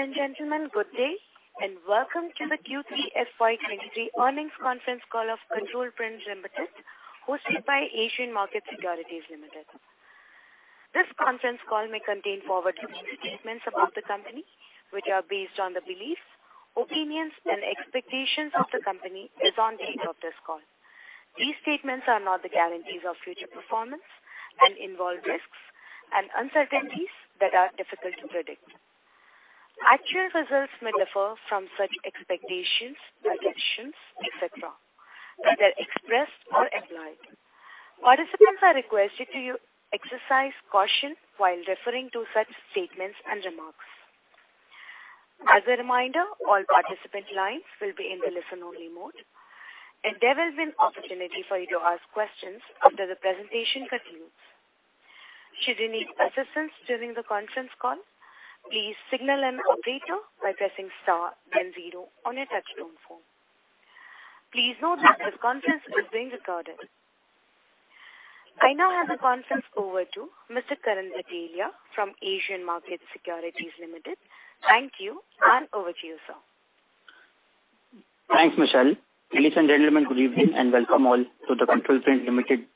Good day and welcome to the Q3 FY23 earnings conference call of Control Print Limited, hosted by Asian Markets Securities Limited. This conference call may contain forward-looking statements about the company, which are based on the beliefs, opinions and expectations of the company as on date of this call. These statements are not the guarantees of future performance and involve risks and uncertainties that are difficult to predict. Actual results may differ from such expectations, predictions, et cetera, whether expressed or implied. Participants are requested to exercise caution while referring to such statements and remarks. As a reminder, all participant lines will be in the listen-only mode. There will be an opportunity for you to ask questions after the presentation concludes. Should you need assistance during the conference call, please signal an operator by pressing star then zero on your touch-tone phone. Please note that this conference is being recorded. I now hand the conference over to Mr. Karan Bhatelia from Asian Markets Securities Limited. Thank you. Over to you, sir. Thanks, Michelle. Ladies and gentlemen, good evening, and welcome all to the Control Print Limited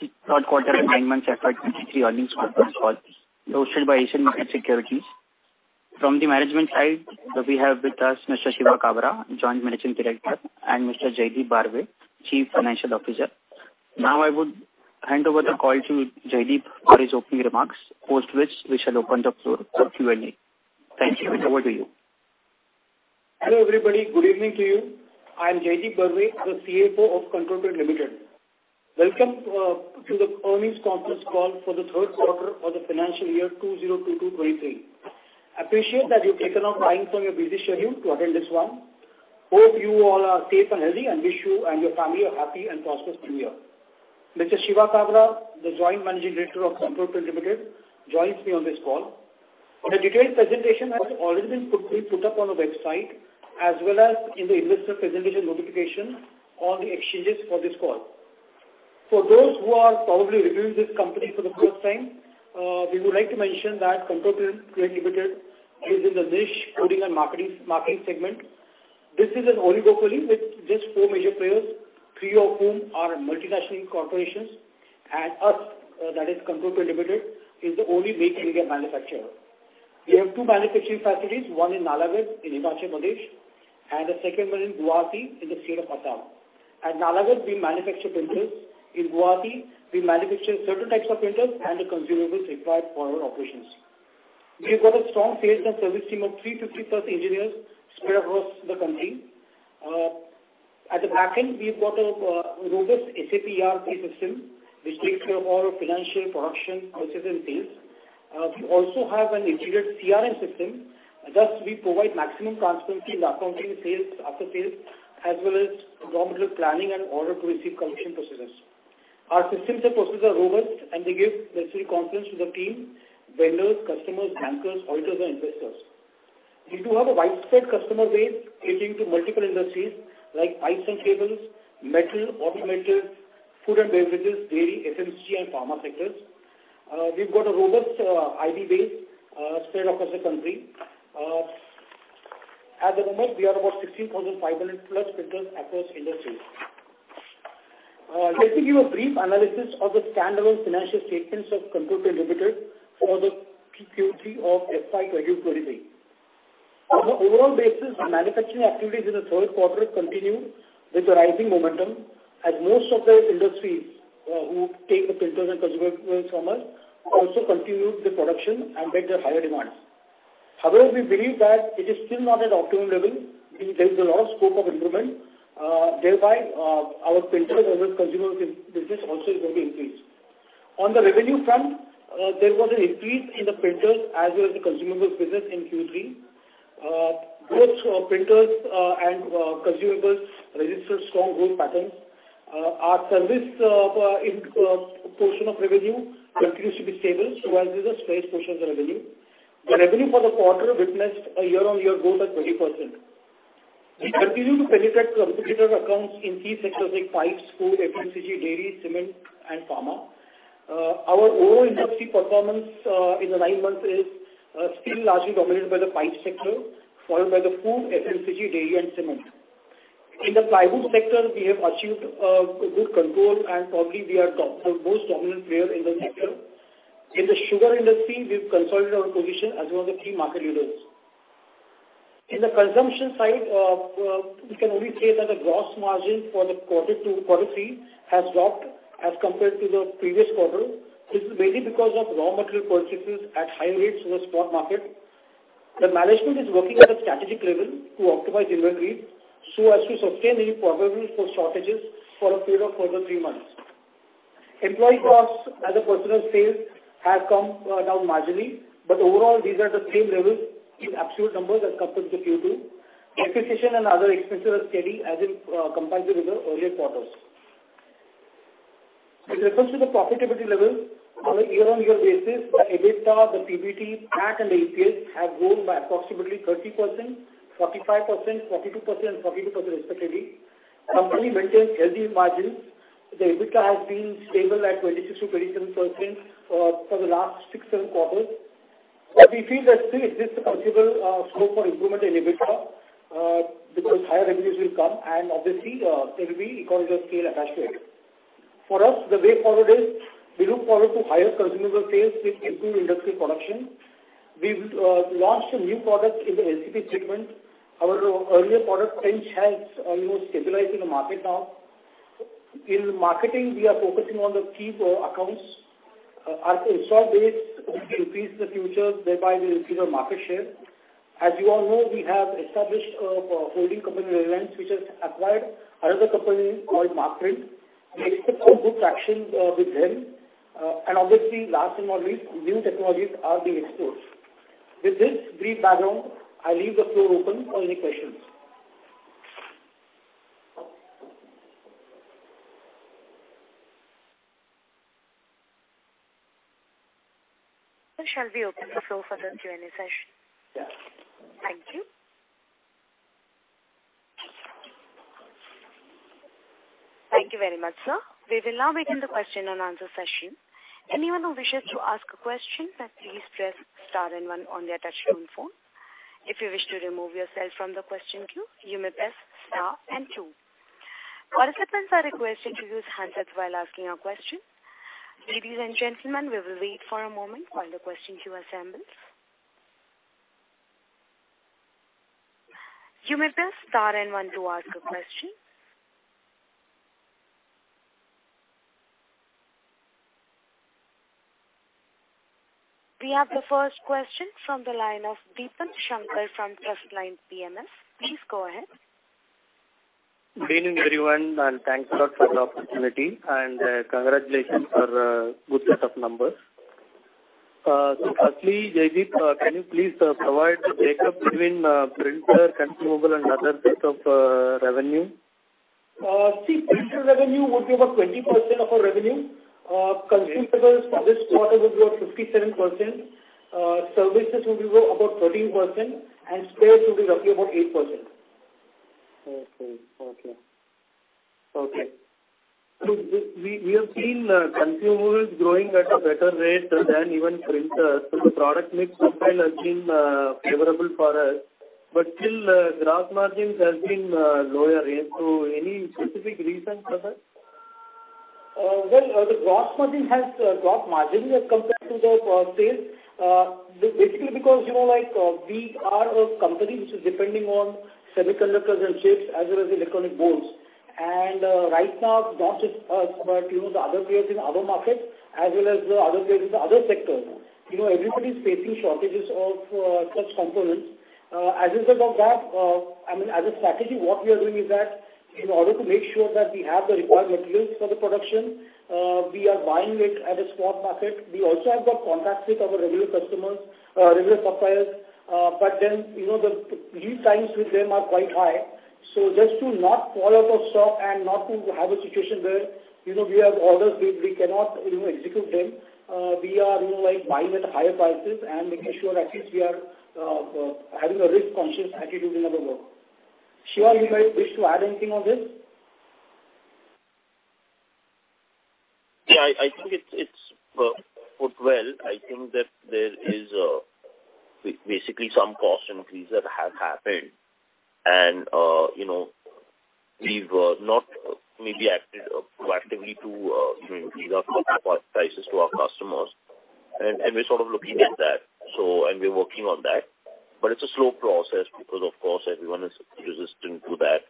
Q3 and 9 months FY 2023 earnings conference call hosted by Asian Markets Securities. From the management side, we have with us Mr. Shiva Kabra, Joint Managing Director, and Mr. Jaideep Barve, Chief Financial Officer. Now I would hand over the call to Jaideep for his opening remarks, post which we shall open the floor for Q&A. Thank you. Over to you. Hello, everybody. Good evening to you. I'm Jaideep Barve, the CFO of Control Print Limited. Welcome to the earnings conference call for the Q3 of the financial year 2022-23. Appreciate that you've taken out time from your busy schedule to attend this one. Hope you all are safe and healthy and wish you and your family a happy and prosperous new year. Mr. Shiva Kabra, the Joint Managing Director of Control Print Limited, joins me on this call. For the detailed presentation has already been put up on our website as well as in the investor presentation notification on the exchanges for this call. For those who are probably reviewing this company for the first time, we would like to mention that Control Print Limited is in the niche coding and marketing segment. This is an oligopoly with just four major players, three of whom are multinational corporations. Us, that is Control Print Limited, is the only big Indian manufacturer. We have two manufacturing facilities, one in Nalagarh in Himachal Pradesh, and the second one in Guwahati in the state of Assam. At Nalagarh, we manufacture printers. In Guwahati, we manufacture certain types of printers and the consumables required for our operations. We've got a strong sales and service team of 350+ engineers spread across the country. At the back end, we've got a robust SAP ERP system which takes care of all financial production processes and sales. We also have an integrated CRM system. Thus, we provide maximum transparency in accounting sales, after sales, as well as raw material planning and order to receive collection procedures. Our systems and processes are robust, and they give necessary confidence to the team, vendors, customers, bankers, auditors and investors. We do have a widespread customer base catering to multiple industries like pipes and cables, metal, auto metal, food and beverages, dairy, FMCG and pharma sectors. We've got a robust IB base spread across the country. At the moment, we are about 16,500+ printers across industries. Let me give a brief analysis of the standalone financial statements of Control Print Limited for the Q3 of FY23. On an overall basis, our manufacturing activities in the Q3 continued with a rising momentum as most of the industries who take the printers and consumables from us also continued the production and met their higher demands. However, we believe that it is still not at optimum level. We think there is a lot of scope of improvement, thereby, our printers as well as consumables business also is going to increase. On the revenue front, there was an increase in the printers as well as the consumables business in Q3. Both printers and consumables registered strong growth patterns. Our service in portion of revenue continues to be stable, so as is the sales portion of the revenue. The revenue for the quarter witnessed a year-on-year growth at 20%. We continue to penetrate competitor accounts in key sectors like pipes, food, FMCG, dairy, cement and pharma. Our overall industry performance in the nine months is still largely dominated by the pipe sector, followed by the food, FMCG, dairy and cement. In the plywood sector, we have achieved good control, and probably we are top, the most dominant player in the sector. In the sugar industry, we've consolidated our position as one of the key market leaders. In the consumption side, we can only say that the gross margin for the quarter two, quarter three has dropped as compared to the previous quarter. This is mainly because of raw material purchases at high rates in the spot market. The management is working at a strategic level to optimize inventories so as to sustain any probability for shortages for a period of further three months. Employee costs as a percentage of sales have come down marginally, but overall these are the same levels in absolute numbers as compared to the Q2. Acquisition and other expenses are steady as in compared to the earlier quarters. With reference to the profitability levels on a year-on-year basis, the EBITDA, the PBT, PAT and EPS have grown by approximately 30%, 45%, 42% and 42% respectively. Company maintains healthy margins. The EBITDA has been stable at 26%-27% for the last six, seven quarters. We feel that still exists a considerable scope for improvement in EBITDA because higher revenues will come and obviously there will be economies of scale attached to it. For us, the way forward is we look forward to higher consumable sales which improve industrial production. We've launched a new product in the LCP treatment. Our earlier product range has almost stabilized in the market now. In marketing, we are focusing on the key accounts. Our install base will increase the future, thereby we will increase our market share. As you all know, we have established a holding company, Rayvens, which has acquired another company called Markprint. We expect some good traction with them. Obviously last but not least, new technologies are being explored. With this brief background, I leave the floor open for any questions. We shall be open the floor for the Q&A session. Yeah. Thank you. Thank you very much, sir. We will now begin the question and answer session. Anyone who wishes to ask a question can please press star one on their touch tone phone. If you wish to remove yourself from the question queue, you may press star two. Participants are requested to use handsets while asking a question. Ladies and gentlemen, we will wait for a moment while the question queue assembles. You may press star 1 to ask a question. We have the first question from the line of Deepan Shankar from Firstline PMS. Please go ahead. Good evening, everyone. Thanks a lot for the opportunity and congratulations for a good set of numbers. Firstly, Jaideep, can you please provide the breakup between printer, consumable and other bit of revenue? See, printer revenue would be about 20% of our revenue. Consumables for this quarter would be about 57%. Services would be about 13%. Spares will be roughly about 8%. Okay. Okay. Okay. We have seen consumables growing at a better rate than even printers. The product mix profile has been favorable for us. Still, gross margins has been lower here. Any specific reason for that? Well, the gross margin as compared to the sales, basically because, you know, like, we are a company which is depending on semiconductors and chips as well as electronic boards. Right now, not just us, but you know, the other players in other markets as well as the other players in the other sectors. You know, everybody's facing shortages of such components. As a result of that, I mean, as a strategy, what we are doing is that in order to make sure that we have the required materials for the production, we are buying it at a spot market. We also have got contracts with our regular customers, regular suppliers. You know, the lead times with them are quite high. Just to not fall out of stock and not to have a situation where, you know, we have orders, we cannot, you know, execute them, we are, you know, like, buying at higher prices and making sure at least we are having a risk conscious attitude in our work. Shiva, you might wish to add anything on this? Yeah, I think it's put well. I think that there is basically some cost increases that have happened. you know, we've not maybe acted proactively to, you know, increase our prices to our customers. we're sort of looking at that. We're working on that. It's a slow process because of course everyone is resistant to that.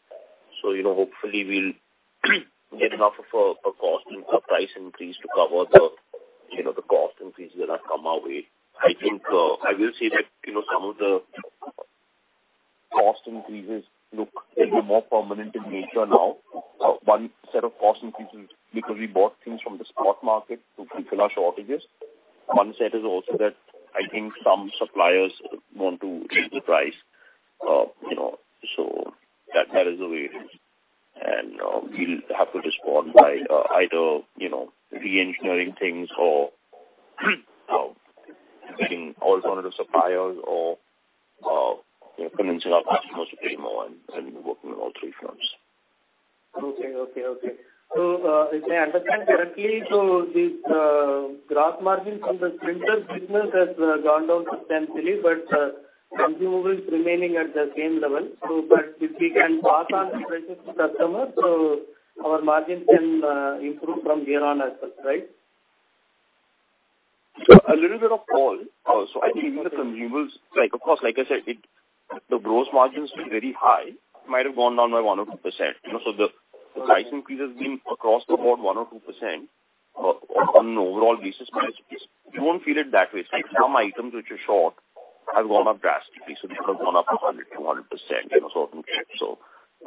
you know, hopefully we'll get enough of a price increase to cover the, you know, the cost increase that have come our way. I think, I will say that, you know, some of the cost increases look a bit more permanent in nature now. One set of cost increases because we bought things from the spot market to fulfill our shortages. One set is also that I think some suppliers want to raise the price. You know, so that is the way it is. We'll have to respond by, either, you know, re-engineering things or looking alternative suppliers or, you know, convincing our customers to pay more and working on all three fronts. Okay. Okay. Okay. If I understand correctly, so the gross margin from the printer business has gone down substantially, but consumables remaining at the same level. But if we can pass on the prices to customers, so our margins can improve from here on as such, right? A little bit of all. I think the consumables, like, of course, like I said, the gross margins were very high. It might have gone down by 1% or 2%. You know, the price increase has been across the board 1% or 2% on an overall basis. You won't feel it that way. Some items which are short have gone up drastically. They have gone up 100%, 200%, you know, certain chips or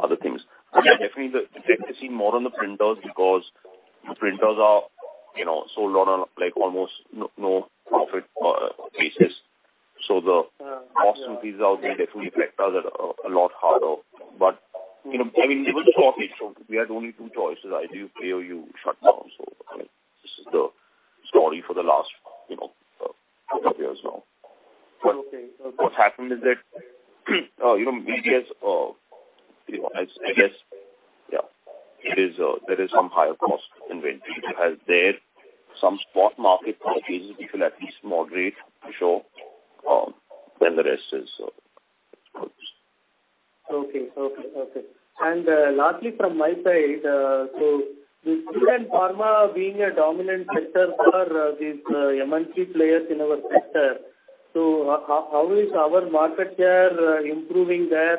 other things. Yeah, definitely see more on the printers because the printers are, you know, sold on a, like, almost no profit basis. Yeah. cost increases are being definitely affect us a lot harder. you know, I mean, there was a shortage, so we had only two choices, either you pay or Sorry for the last, you know, couple of years now. Okay. What happened is that, you know, I guess, yeah. It is, there is some higher cost inventory because there some spot market prices which will at least moderate for sure, when the rest is exposed. Okay. Okay. Okay. Lastly from my side, with food and pharma being a dominant sector for these MNC players in our sector, how is our market share improving there?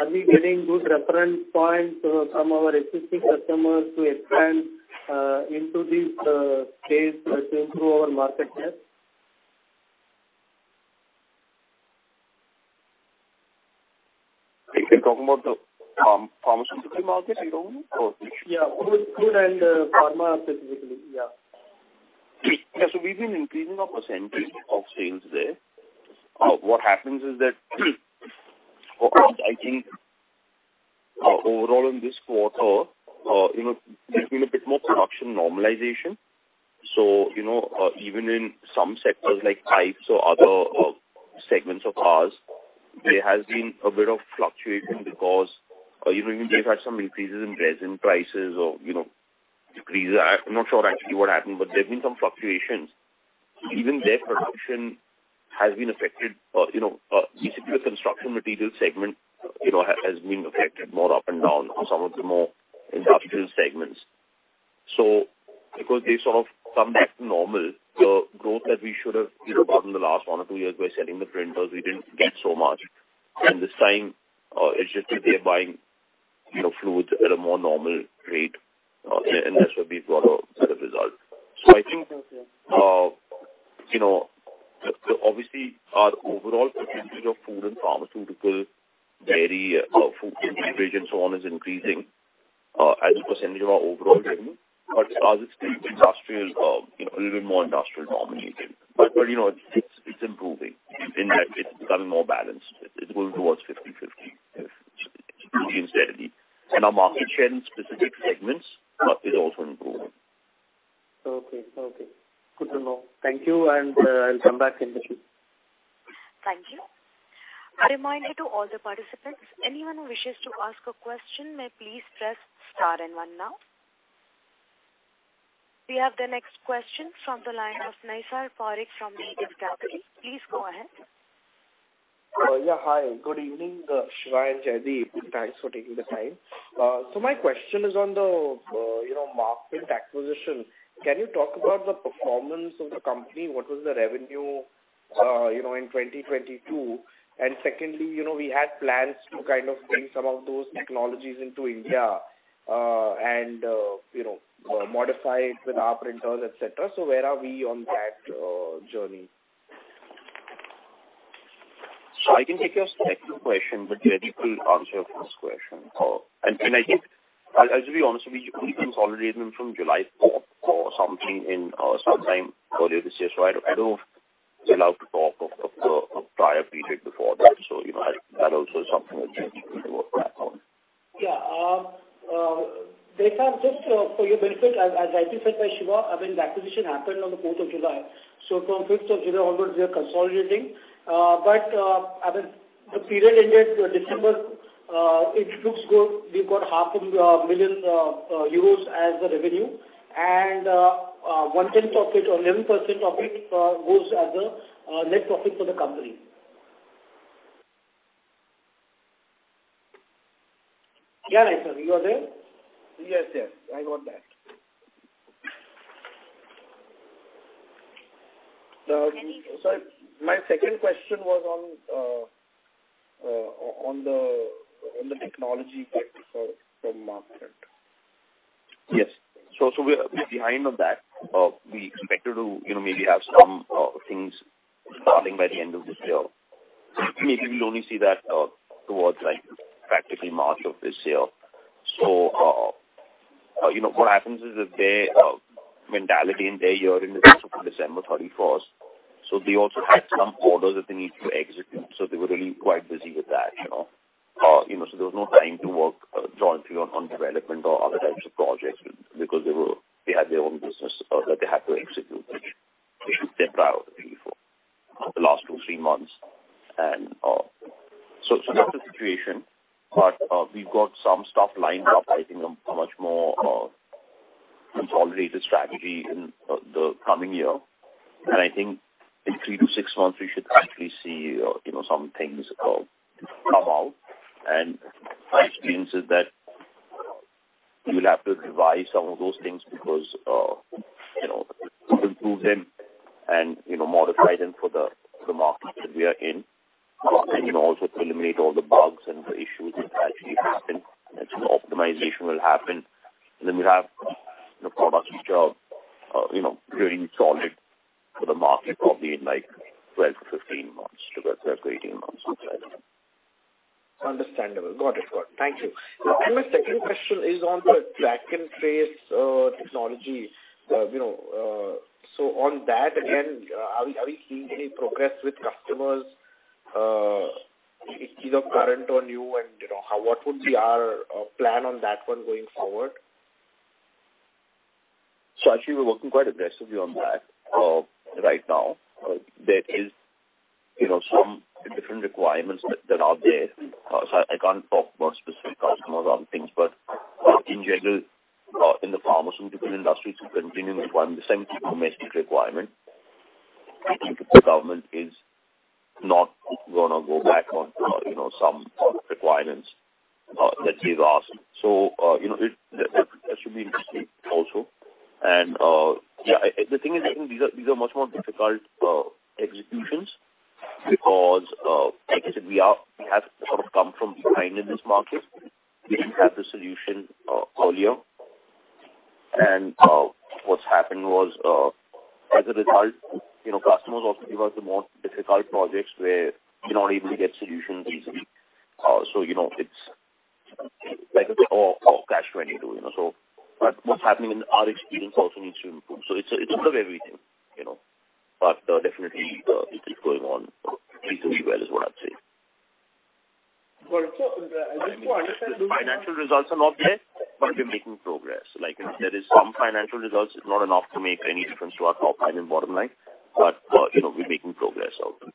Are we getting good reference points from our existing customers to expand into these space to improve our market share? You're talking about the pharmaceutical market? Yeah. Food and pharma specifically. Yeah. Yeah. We've been increasing our percentage of sales there. What happens is that I think, overall in this quarter, you know, there's been a bit more production normalization. You know, even in some sectors like pipes or other segments of ours, there has been a bit of fluctuation because, you know, we've had some increases in resin prices or, you know, decreases. I'm not sure actually what happened, but there's been some fluctuations. Even their production has been affected. You know, basically the construction material segment, you know, has been affected more up and down on some of the more industrial segments. Because they sort of come back to normal, the growth that we should have, you know, gotten in the last one or two years by selling the printers, we didn't get so much. This time, it's just that they're buying, you know, fluids at a more normal rate. That's where we've got a result. I think, you know, obviously our overall percentage of food and pharmaceutical, dairy, food and beverage and so on is increasing as a percentage of our overall revenue. Ours is still industrial, you know, a little bit more industrial dominated. But, you know, it's improving. It's becoming more balanced. It will go towards 50/50 if it's completely steadily. Our market share in specific segments is also improving. Okay. Okay. Good to know. Thank you, and I'll come back in the queue. Thank you. A reminder to all the participants, anyone who wishes to ask a question may please press star and one now. We have the next question from the line of Nirav Parekh from Medit Capital. Please go ahead. Yeah. Hi, good evening, Shiva and Jaideep. Thanks for taking the time. My question is on the, you know, Markprint acquisition. Can you talk about the performance of the company? What was the revenue, you know, in 2022? Secondly, you know, we had plans to kind of bring some of those technologies into India, and, you know, modify it with our printers, et cetera. Where are we on that, journey? I can take your second question, but Jaideep will answer first question. I think I'll just be honest with you. We've been consolidating them from July 4th or something in sometime earlier this year, I don't know if we're allowed to talk of the prior period before that. You know, that also is something which we need to work around. Yeah. Nirav, just for your benefit, as rightly said by Shiva, I mean, the acquisition happened on the 4th of July. From 5th of July onwards, we are consolidating. I mean, the period ended December. It looks good. We've got half a million euros as the revenue and one tenth of it or 11% of it goes as a net profit for the company. Yeah, Nirav? You are there? Yes. Yes. I got that. My second question was on the, on the technology bit from Markprint. Yes. We're a bit behind on that. We expected to, you know, maybe have some things starting by the end of this year. Maybe we'll only see that towards like practically March of this year. You know, what happens is that their mentality and their year ends December 31st. They also had some orders that they need to execute. They were really quite busy with that, you know. You know, there was no time to work jointly on development or other types of projects because they had their own business that they had to execute, which was their priority for the last two, three months. That's the situation. We've got some stuff lined up, I think, a much more consolidated strategy in the coming year. I think in 3-6 months, we should actually see, you know, some things come out. My experience is that we'll have to revise some of those things because, you know, improve them and, you know, modify them for the, for the market that we are in. You know, also to eliminate all the bugs and the issues that actually happen. Some optimization will happen. Then we have the products which are, you know, very solid for the market probably in, like, 12-15 months, because we have to wait 18 months sometimes. Understandable. Got it. Got it. Thank you. Yeah. My second question is on the track and trace technology. You know, on that again, are we seeing any progress with customers? Is it current on you and, you know, what would be our plan on that one going forward? Actually we're working quite aggressively on that right now. There is, you know, some different requirements that are there. I can't talk about specific customers or other things, but in general, in the pharmaceutical industry to continue requiring the same domestic requirement, I think the government is not gonna go back on, you know, some requirements that they've asked. You know, it, that should be interesting also. Yeah. The thing is, I think these are much more difficult executions because, like I said, We have sort of come from behind in this market. We didn't have the solution earlier. What's happened was, as a result, you know, customers also give us the more difficult projects where you're not able to get solutions easily. you know, it's like a bit of Catch-22, you know. What's happening in our experience also needs to improve. It's a bit of everything, you know. Definitely, it is going on reasonably well, is what I'd say. Got it. Financial results are not there, we're making progress. Like there is some financial results. It's not enough to make any difference to our top line and bottom line. You know, we're making progress on them.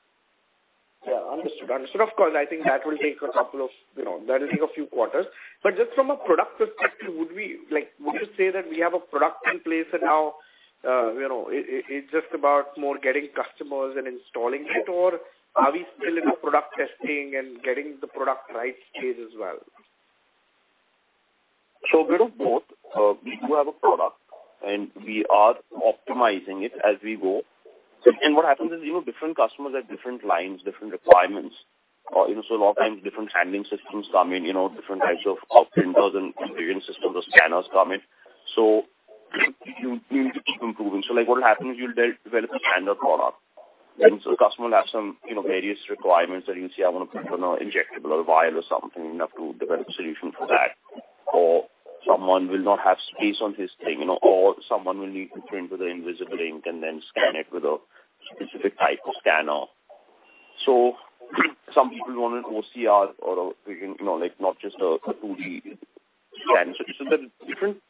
Yeah. Understood. Understood. Of course. I think that will take a couple of, you know, that'll take a few quarters. Just from a product perspective, Would you say that we have a product in place and now, you know, it's just about more getting customers and installing it, or are we still in the product testing and getting the product right phase as well? A bit of both. We do have a product and we are optimizing it as we go. What happens is, you know, different customers have different lines, different requirements. You know, a lot of times different handling systems come in, you know, different types of printers and vision systems or scanners come in. You need to keep improving. Like, what will happen is you'll develop a standard product. The customer will have some, you know, various requirements that you'll say, "I want to print on a injectable or vial or something." You have to develop a solution for that. Someone will not have space on his thing, you know. Someone will need to print with the invisible ink and then scan it with a specific type of scanner. Some people want an OCR or a, you know, like, not just a Katunji scan. The different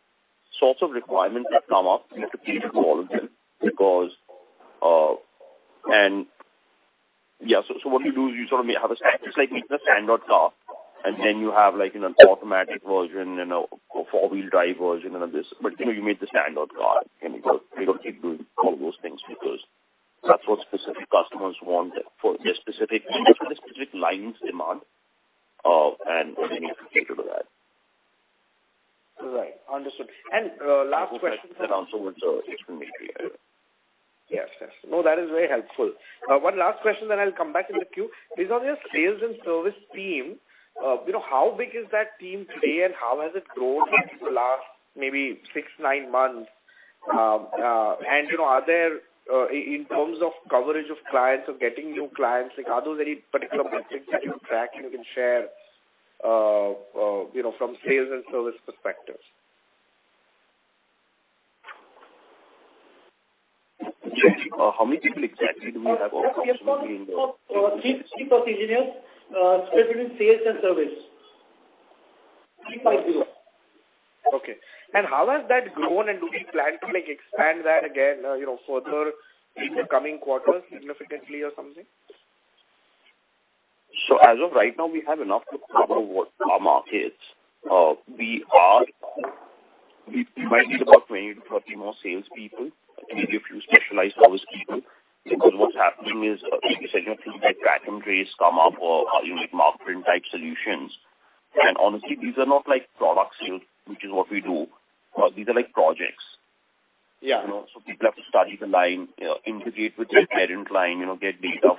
sorts of requirements that come up, you need to cater to all of them because. Yeah, so what you do is you sort of have a standard, just like making a standard car, and then you have like an automatic version and a four-wheel drive version and this. You know, you made the standard car and you gotta keep doing all those things because that's what specific customers want for their specific, you know, for the specific line's demand, and we need to cater to that. Right. Understood. Last question. I hope that answered with the explanation. Yes. Yes. No, that is very helpful. One last question then I'll come back in the queue. Based on your sales and service team, you know, how big is that team today and how has it grown in the last maybe six, nine months? And, you know, are there in terms of coverage of clients or getting new clients, like are those any particular metrics that you track and you can share, you know, from sales and service perspectives? How many people exactly do we have approximately in the? Chief of engineers, spread between sales and service. 350. Okay. How has that grown and do we plan to, like, expand that again, you know, further in the coming quarters significantly or something? As of right now, we have enough to cover what the market is. We might need about 20 to 30 more salespeople. Maybe a few specialized service people. Because what's happening is, like I said, you know, things like track and trace come up or, you know, like Markprint type solutions. Honestly, these are not like product sales, which is what we do. These are like projects. Yeah. You know? People have to study the line, you know, integrate with their parent line, you know, get data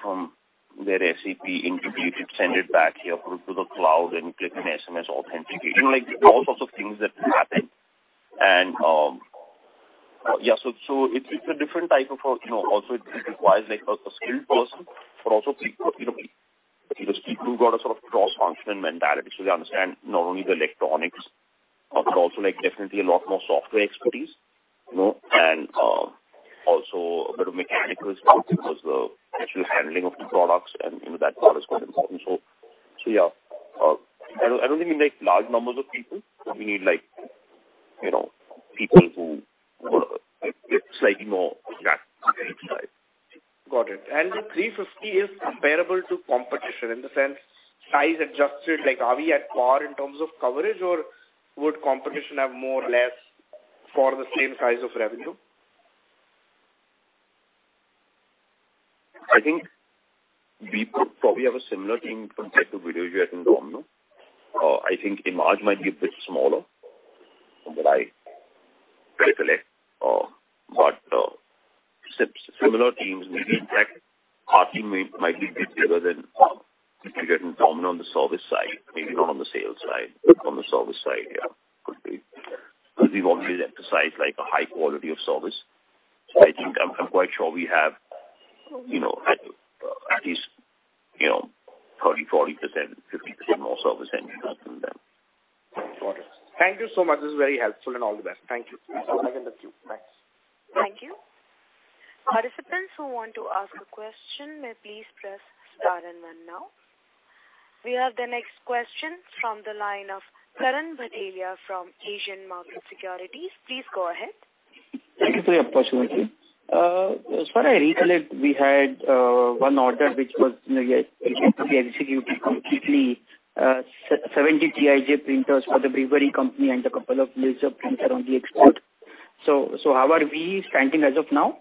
from their SAP, integrate it, send it back, you know, put it to the cloud and click an SMS authentication. All sorts of things that happen. It's a different type of, you know, also it requires a skilled person, but also you know, these people who've got a sort of cross-functional mentality. They understand not only the electronics, but also definitely a lot more software expertise, you know. Also a bit of mechanical skills because the actual handling of the products and, you know, that part is quite important. Yeah. I don't, I don't think we make large numbers of people. We need, like, you know, people who, it's like, you know, that type. Got it. The 350 is comparable to competition in the sense size adjusted, like are we at par in terms of coverage or would competition have more or less for the same size of revenue? I think we could probably have a similar team compared to Videojet and Domino. I think Markem-Imaje might be a bit smaller from what I recall. Similar teams. Maybe in fact, our team might be a bit bigger than Videojet and Domino on the service side. Maybe not on the sales side, but on the service side, yeah. Could be. We've always emphasized like a high quality of service. I think... I'm quite sure we have, you know, at least, you know, 30%, 40%, 50% more service engineers than them. Got it. Thank you so much. This is very helpful, and all the best. Thank you. Thank you. Participants who want to ask a question may please press star and one now. We have the next question from the line of Karan Bhatelia from Asian Markets Securities. Please go ahead. Thank you for your opportunity. As far I recollect, we had one order which was, you know, yet to be executed completely, 70 TIJ printers for the brewery company and a couple of laser printers on the export. How are we standing as of now?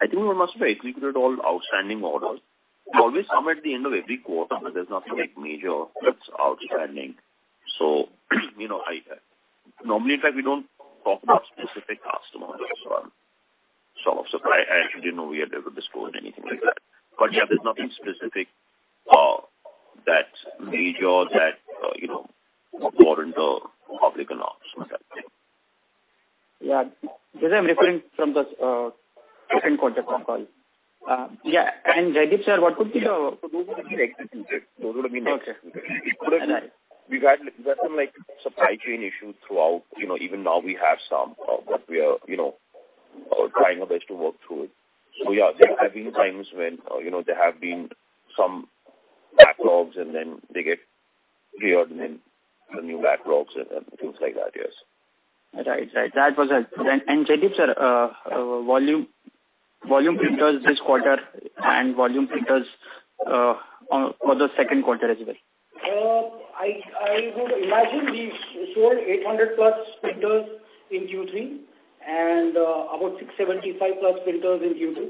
I think we must have executed all outstanding orders. There's always some at the end of every quarter. There's nothing like major that's outstanding. You know, Normally, in fact, we don't talk about specific customers or some of supply. I actually didn't know we had ever disclosed anything like that. Yeah, there's nothing specific that's major that, you know, warrant a public announcement, I think. Yeah. Because I'm referring from the, Q2, so. yeah. Jaideep sir, what could be the- Yeah. Those would have been executed. Those would have been executed. Okay. We've had some, like, supply chain issues throughout. You know, even now we have some, but we are, you know, trying our best to work through it. Yeah, there have been times when, you know, there have been some backlogs and then they get reordered, and the new backlogs and things like that. Yes. Right. Right. That was it. Jaideep Sir, volume printers this quarter and volume printers on for the Q2 as well. I would imagine we sold 800 plus printers in Q3 and about 675+ printers in Q2.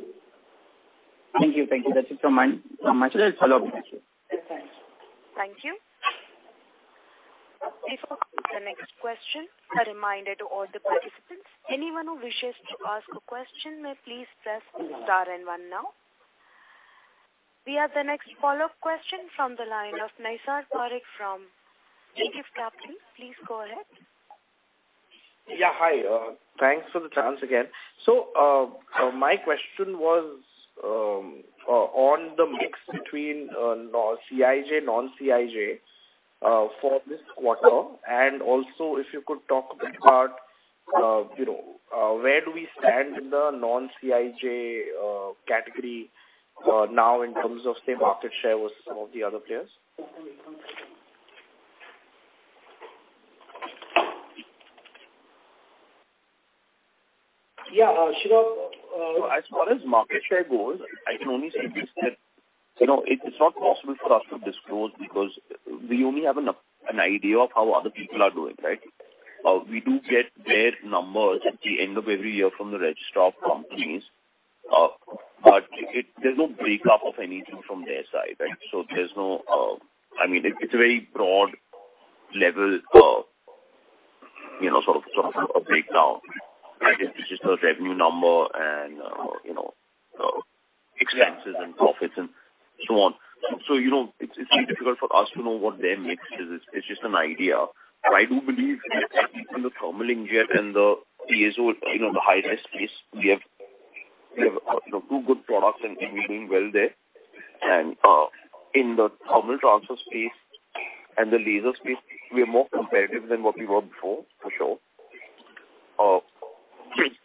Thank you. Thank you. That's it from my side. Follow up later. Thank you. Before the next question, a reminder to all the participants, anyone who wishes to ask a question may please press star and one now. We have the next follow-up question from the line of Nirav Parekh from Medit Capital. Please go ahead. Yeah, hi. Thanks for the chance again. My question was on the mix between CIJ, non-CIJ, for this quarter, and also if you could talk a bit about, you know, where do we stand in the non-CIJ category now in terms of, say, market share with some of the other players? Yeah, Shiva. As far as market share goes, I can only say this, that, you know, it's not possible for us to disclose because we only have an idea of how other people are doing, right? We do get their numbers at the end of every year from the Registrar of Companies, but there's no breakup of anything from their side, right? I mean, it's a very broad level of, you know, sort of a breakdown. Right? It's just a revenue number and, you know, expenses and profits and so on. You know, it's really difficult for us to know what their mix is. It's, it's just an idea. I do believe in the thermal inkjet and the TTO, you know, the high res space, we have, we have, you know, two good products and we're doing well there. In the thermal transfer space and the laser space, we are more competitive than what we were before, for sure.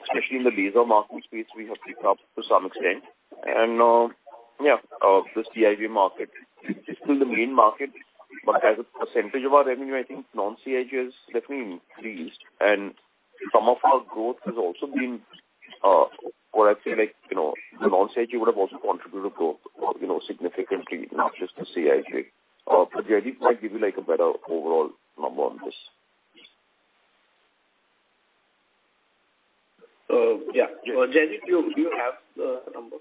Especially in the laser marking space, we have picked up to some extent. Yeah, the CIJ market is still the main market, but as a percentage of our revenue, I think non-CIJ has definitely increased. Some of our growth has also been, what I feel like, you know, the non-CIJ would have also contributed to growth, you know, significantly, not just the CIJ. Jaideep might give you, like, a better overall number on this. Yeah. Jaideep, do you have the numbers?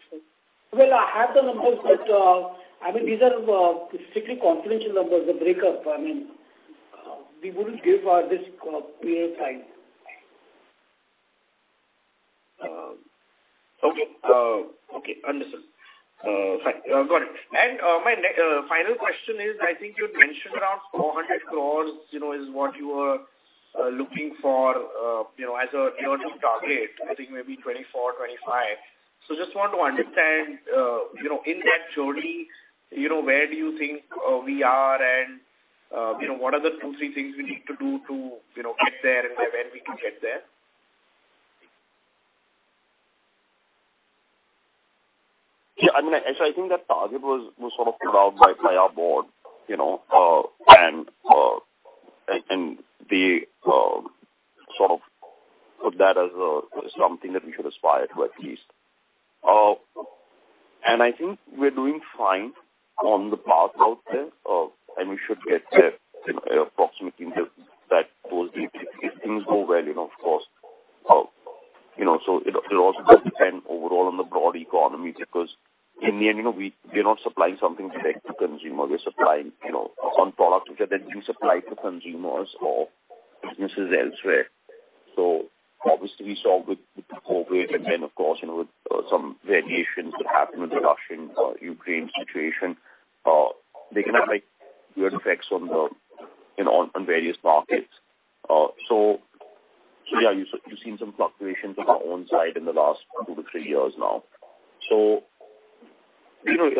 Well, I have the numbers, but, I mean, these are strictly confidential numbers, the breakup. I mean, we wouldn't give out this payer side. Okay. Okay. Understood. Fine. Got it. My final question is, I think you'd mentioned around 400 crores, you know, is what you are looking for, you know, as a year two target. I think maybe 2024, 2025. Just want to understand, you know, in that journey, you know, where do you think, we are and, you know, what are the two, three things we need to do to, you know, get there and by when we can get there? Yeah. I mean, actually, I think that target was sort of put out by our board, you know, and they sort of put that as something that we should aspire to at least. I think we're doing fine on the path out there, and we should get there, you know, approximately in the, that those dates if things go well, you know, of course. You know, it'll also just depend overall on the broad economy because in the end, you know, we are not supplying something direct to consumer. We're supplying, you know, some products which are then resupplied to consumers or businesses elsewhere. Obviously we saw with the COVID and then of course, you know, with some variations that happened with the Russian, Ukraine situation, they can have, like, weird effects on the, you know, on various markets. Yeah, you've seen some fluctuations on our own side in the last two-three years now. You know,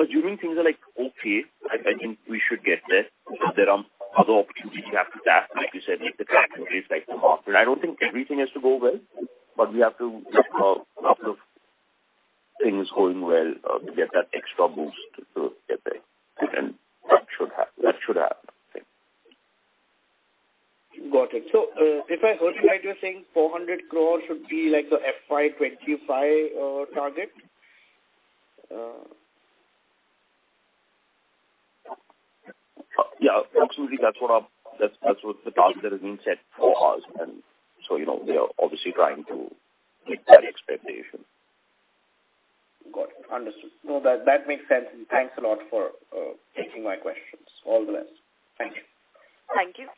assuming things are, like, okay, I think we should get there. There are other opportunities you have to tap, like you said, if the trends and rates like the market. I don't think everything has to go well, but we have to have enough of things going well to get that extra boost to get there. That should happen, I think. Got it. If I heard you right, you're saying 400 crores should be like the FY 25 target? Yeah, absolutely. That's what the target that has been set for us. You know, we are obviously trying to meet that expectation. Got it. Understood. No, that makes sense. Thanks a lot for taking my questions. All the best. Thank you. Thank you.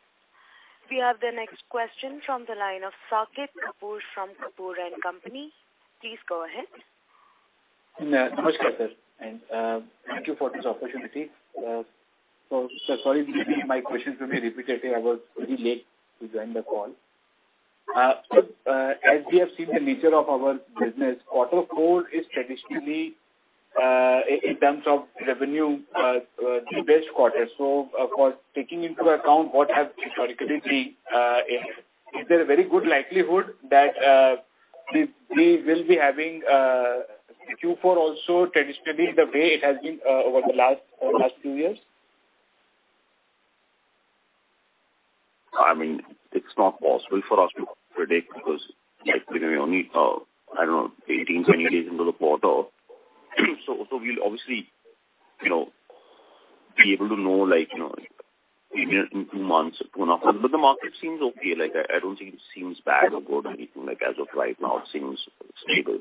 We have the next question from the line of Saket Kapoor from Kapoor & Company. Please go ahead. Namaskar, sir. Thank you for this opportunity. Sir, sorry if maybe my questions will be repetitive. I was pretty late to join the call. As we have seen the nature of our business, quarter four is traditionally in terms of revenue, the best quarter. Of course, taking into account what has historically, is there a very good likelihood that we will be having Q4 also traditionally the way it has been over the last few years? I mean, it's not possible for us to predict because right now we're only, I don't know, 18, 20 days into the quarter. We'll obviously, you know, be able to know, like, you know, maybe in two months, two and a half months. The market seems okay. Like, I don't think it seems bad or good or anything. Like, as of right now, it seems stable.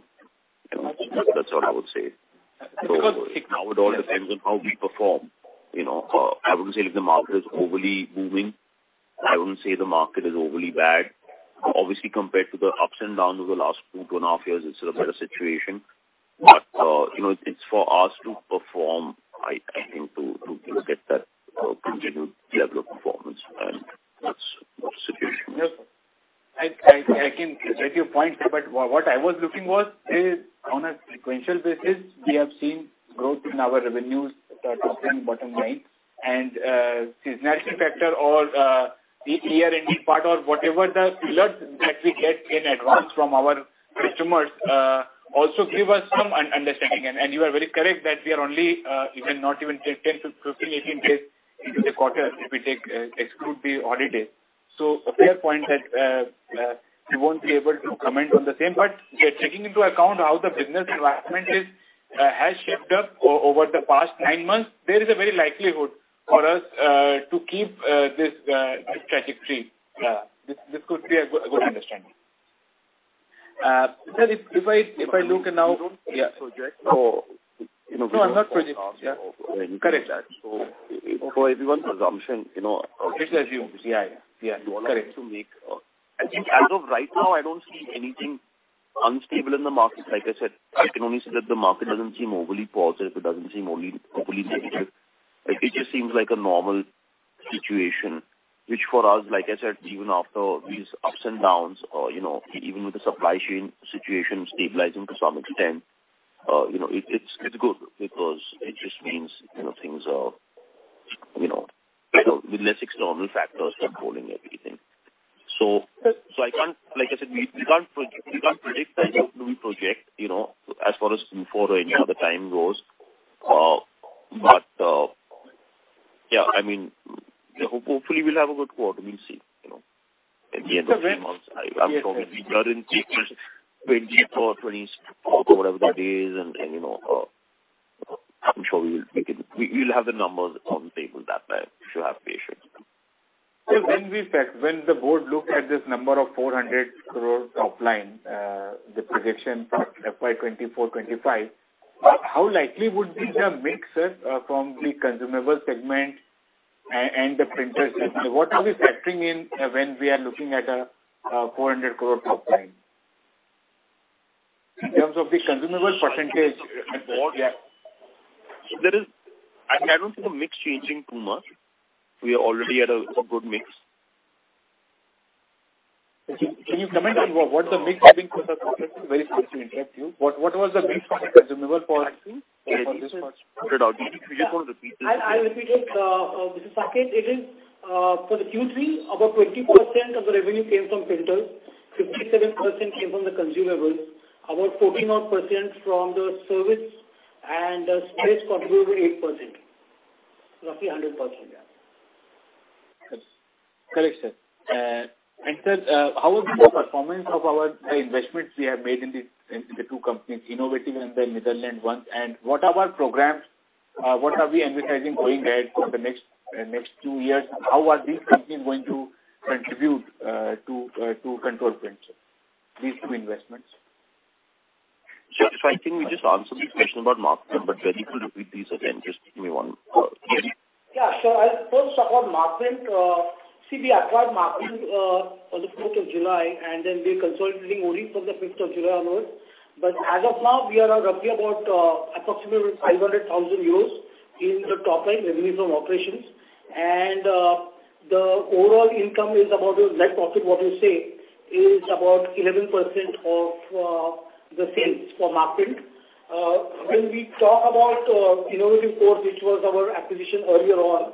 You know, that's all I would say. Because- It all depends on how we perform. You know, I wouldn't say if the market is overly booming, I wouldn't say the market is overly bad. Obviously, compared to the ups and downs of the last two and a half years, it's a better situation. You know, it's for us to perform, I think to get that continued level of performance and that's our situation. Yes. I can get your point, but what I was looking was is on a sequential basis, we have seen growth in our revenues, top line, bottom line. Seasonality factor or the year-ending part or whatever the floods that we get in advance from our customers also give us some un-understanding. You are very correct that we are only even not even 10 to 15, 18 days into the quarter if we take, exclude the holiday. A fair point that we won't be able to comment on the same. We are taking into account how the business environment has shaped up over the past nine months. There is a very likelihood for us to keep this trajectory. This could be a good understanding. Sir, if I look at now- You don't project. No, I'm not projecting. Yeah. Correct. For everyone's assumption, you know... Assumptions. Yeah. Yeah. Correct. I think as of right now, I don't see anything unstable in the market. Like I said, I can only say that the market doesn't seem overly positive. It doesn't seem only overly negative. It just seems like a normal situation, which for us, like I said, even after these ups and downs or, you know, even with the supply chain situation stabilizing to some extent, you know, it's good because it just means, you know, things are, you know, with less external factors controlling everything. I can't. Like I said, we can't predict. I don't do any project, you know, as far as for any other time goes. Yeah, I mean, hopefully we'll have a good quarter. We'll see, you know. At the end of three months, I'm probably 24, 20 or whatever the days and, you know, I'm sure we will make it. We'll have the numbers on the table that day. We should have patience. When the board looked at this number of 400 crores top line, the projection for FY 2024, 2025, how likely would be the mix from the consumable segment and the printer segment? What are we factoring in when we are looking at a 400 crore top line? In terms of the consumable percentage at board, yeah. I don't see the mix changing too much. We are already at a good mix. Can you comment on what the mix has been for the quarter? Very sorry to interrupt you. What was the mix for the consumable? Could you please repeat? I'll repeat it. This is Saket. It is for the Q3, about 20% of the revenue came from printer, 57% came from the consumable, about 14% odd from the service and the space contribution 8%. Roughly 100%. Yeah. Correct, sir. Sir, how is the performance of our investments we have made in the two companies, Innovative and the Netherlands one? What are our programs? What are we envisaging going ahead for the next two years? How are these companies going to contribute to Control Print, these two investments? I think we just answered this question about Markem, but if you could repeat these again, just give me one. Yeah. I'll first talk about Markprint. See, we acquired Markprint on the 4th of July, and then we're consolidating only from the 5th of July onwards. As of now, we are roughly about approximately 500,000 euros. In the top line revenues from operations. The overall income is about the net profit, what you say is about 11% of the sales for Markprint. When we talk about Innovative Codes, which was our acquisition earlier on.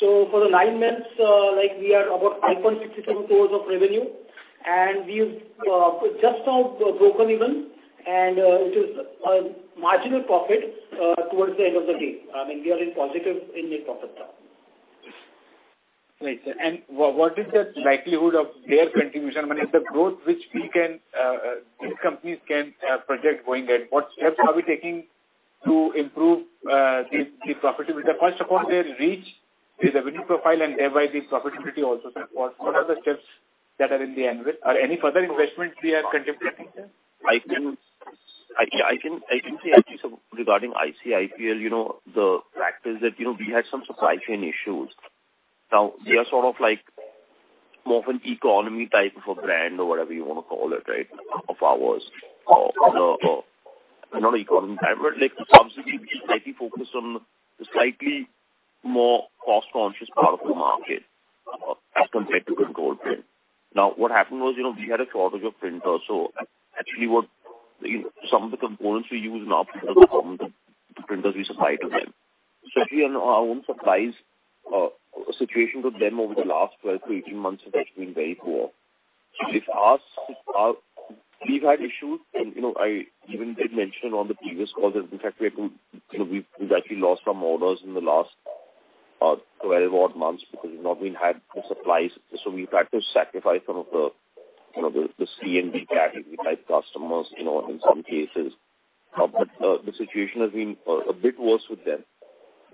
For the nine months, like we are about 5.67 crores of revenue, and we've just now broken even and it is a marginal profit towards the end of the day. I mean, we are in positive in net profit now. Right. What is the likelihood of their contribution? I mean, is the growth which we can, these companies can project going ahead? What steps are we taking to improve the profitability? First of all, their reach is a revenue profile, and thereby the profitability also. What are the steps that are in the annual? Are any further investments we are contemplating, sir? I can say actually, so regarding ICIPL, you know, the fact is that, you know, we had some supply chain issues. Now they are sort of like more of an economy type of a brand or whatever you wanna call it, right, of ours. You know, not economy type, but like the subsidy we slightly focus on the slightly more cost-conscious part of the market, as compared to the gold pin. Now, what happened was, you know, we had a shortage of printers. Actually what, you know, some of the components we use now come from the printers we supply to them. Actually our own supplies, situation with them over the last 12 to 18 months has actually been very poor. If asked, we've had issues and, you know, I even did mention on the previous call that in fact we've actually lost some orders in the last 12 odd months because we've not been had the supplies. We've had to sacrifice some of the, you know, the C and D category type customers, you know, in some cases. The situation has been a bit worse with them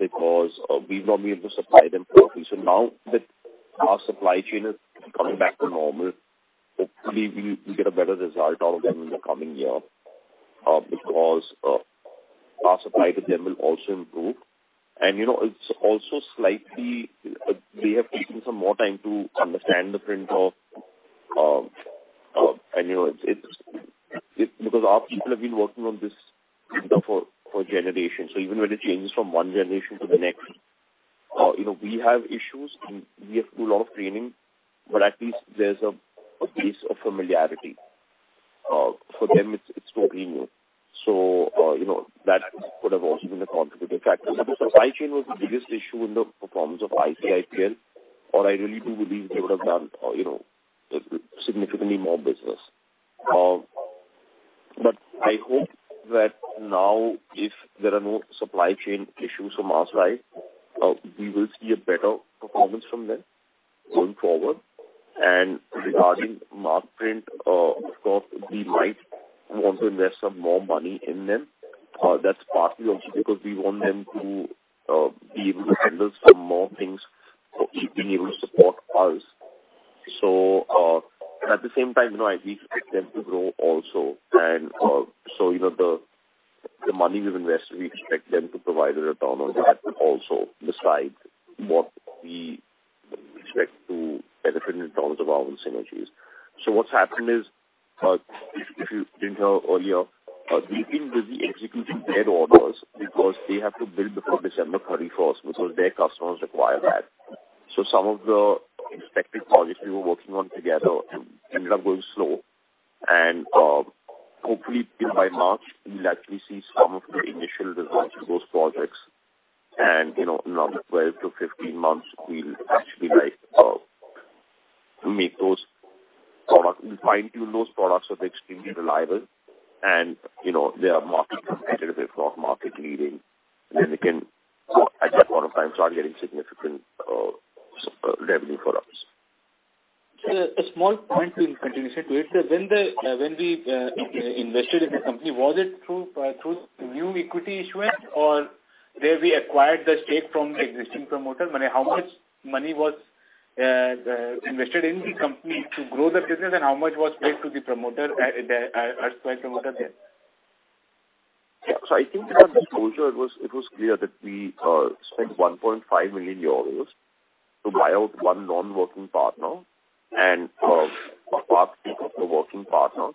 because we've not been able to supply them properly. Now that our supply chain is coming back to normal, hopefully we get a better result out of them in the coming year because our supply to them will also improve. You know, it's also slightly, they have taken some more time to understand the printer. Anyway it's because our people have been working on this printer for generations. Even when it changes from one generation to the next, you know, we have issues and we have to do a lot of training, but at least there's a base of familiarity. For them, it's totally new. You know, that could have also been a contributing factor. The supply chain was the biggest issue in the performance of ICIPL, or I really do believe they would have done, you know, significantly more business. I hope that now if there are no supply chain issues from our side, we will see a better performance from them going forward. Regarding Markprint, of course, we might want to invest some more money in them. That's partly also because we want them to be able to handle some more things for keeping able to support us. At the same time, you know, I need them to grow also. You know, the money we've invested, we expect them to provide a return on that also besides what we expect to benefit in terms of our own synergies. What's happened is, if you didn't hear earlier, we've been busy executing their orders because they have to build before December 31st because their customers require that. Some of the expected projects we were working on together ended up going slow, and hopefully by March we'll actually see some of the initial results of those projects. You know, another 12-15 months, we'll actually like make those products. We fine-tune those products, so they're extremely reliable and you know, they are market competitive, if not market leading. Then they can at that point of time start getting significant revenue for us. A small point in continuation to it. When we invested in the company, was it through new equity issuance or did we acquire the stake from the existing promoter? I mean, how much money was invested in the company to grow the business and how much was paid to the promoter, the existing promoter there? Yeah. I think in the disclosure it was, it was clear that we spent 1.5 million euros to buy out one non-working partner and a part of the working partner.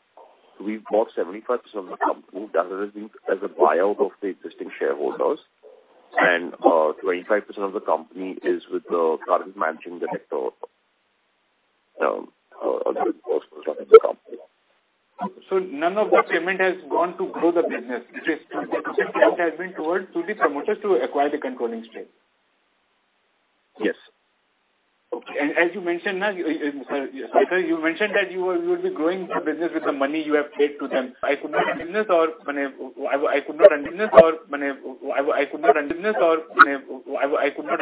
We bought 75% of the company that has been as a buyout of the existing shareholders. 25% of the company is with the current managing director of the company. None of that payment has gone to grow the business. It has been towards to the promoters to acquire the controlling stake. Yes. Okay. As you mentioned now, sir, you mentioned that you would be growing the business with the money you have paid to them. I could not understand this or I mean, I could not understand this or I could not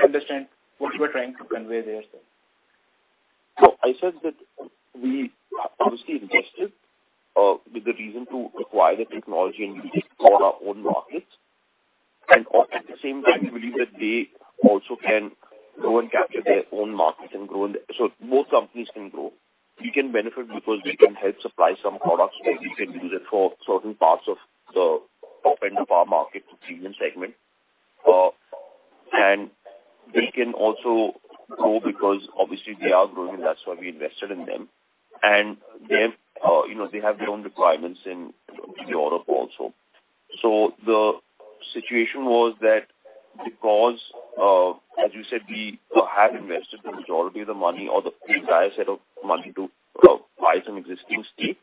understand what you are trying to convey there, sir? I said that we obviously invested with the reason to acquire the technology and use it for our own markets. At the same time, we believe that they also can go and capture their own markets and grow. Both companies can grow. We can benefit because we can help supply some products or we can use it for certain parts of the top end of our market premium segment. They can also grow because obviously they are growing and that's why we invested in them. They have, you know, they have their own requirements in Europe also. The situation was that because, as you said, we have invested the majority of the money or the entire set of money to buy some existing stake,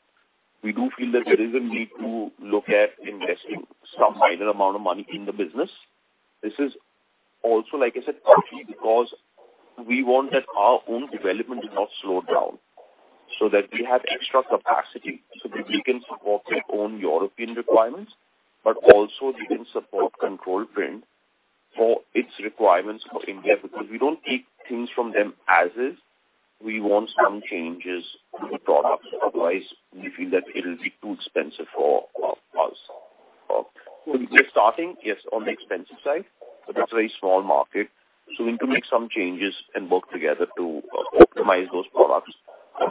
we do feel that there is a need to look at investing some minor amount of money in the business. This is also, like I said, partly because we want that our own development to not slow down so that we have extra capacity so that we can support our own European requirements, but also we can support Control Print for its requirements for India. We don't take things from them as is. We want some changes to the products, otherwise we feel that it'll be too expensive for us. We're starting, yes, on the expensive side, but that's a very small market. We need to make some changes and work together to optimize those products.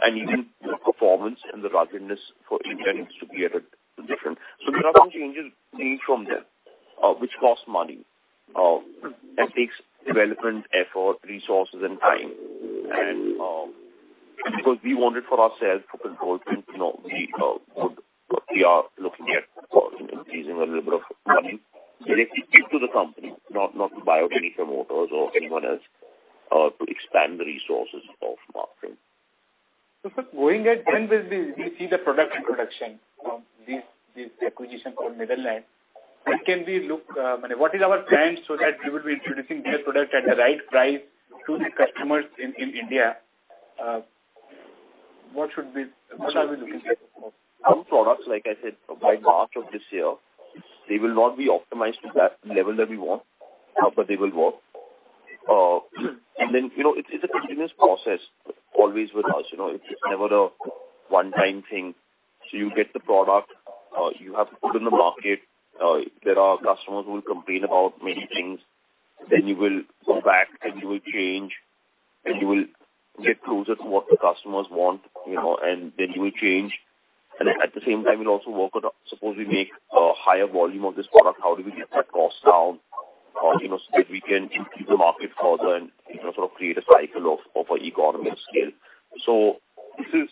Even the performance and the ruggedness for India needs to be at a different... There are some changes need from them, which cost money and takes development effort, resources and time. Because we want it for ourselves, for Control Print, you know, we are looking at, you know, increasing a little bit of money, but it's to the company, not to buy out any promoters or anyone else, to expand the resources of marketing. Going ahead, when will we see the product in production of this acquisition called Netherlands? When can we look? What is our plan so that we will be introducing their product at the right price to the customers in India? What are we looking at? Some products, like I said, by March of this year, they will not be optimized to that level that we want, but they will work. You know, it's a continuous process always with us. You know, it's never a one-time thing. You get the product, you have to put in the market. There are customers who will complain about many things. You will go back and you will change, and you will get closer to what the customers want, you know, and you will change. At the same time you'll also work on, suppose we make a higher volume of this product, how do we get that cost down, you know, so that we can enter the market further and, you know, sort of create a cycle of, economies of scale. This is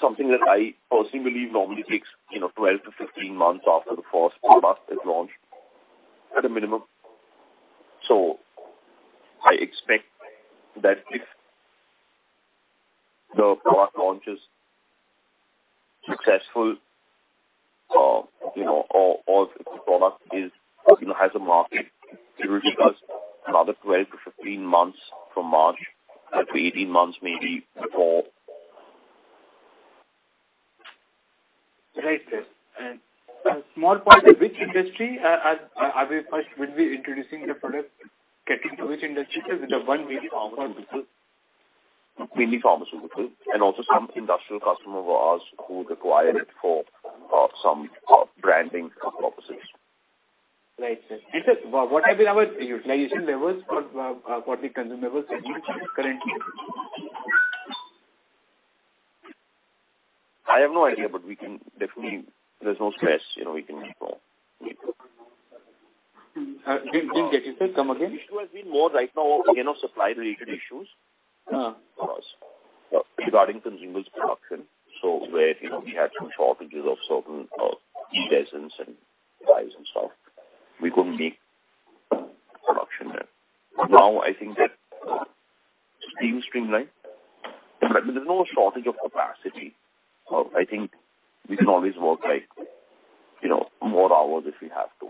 something that I personally believe normally takes, you know, 12-15 months after the first product is launched at a minimum. I expect that if the product launch is successful, you know, or if the product is, you know, has a market, it will take us another 12-15 months from March, up to 18 months maybe before... Right, sir. A small point, which industry are we first will be introducing the product, getting to which industry? It is one maybe pharmaceutical. Mainly pharmaceutical and also some industrial customer of ours who require it for, some, branding purposes. Right, sir. What have been our utilization levels for the consumables and inks currently? I have no idea, but we can definitely... There's no stress. You know, we can make more. Didn't get you, sir. Come again? The issue has been more right now, you know, supply-related issues. Uh. regarding consumables production. Where, you know, we had some shortages of certain resins and dyes and stuff. We couldn't make production there. I think that things streamline. There's no shortage of capacity. I think we can always work like, you know, more hours if we have to.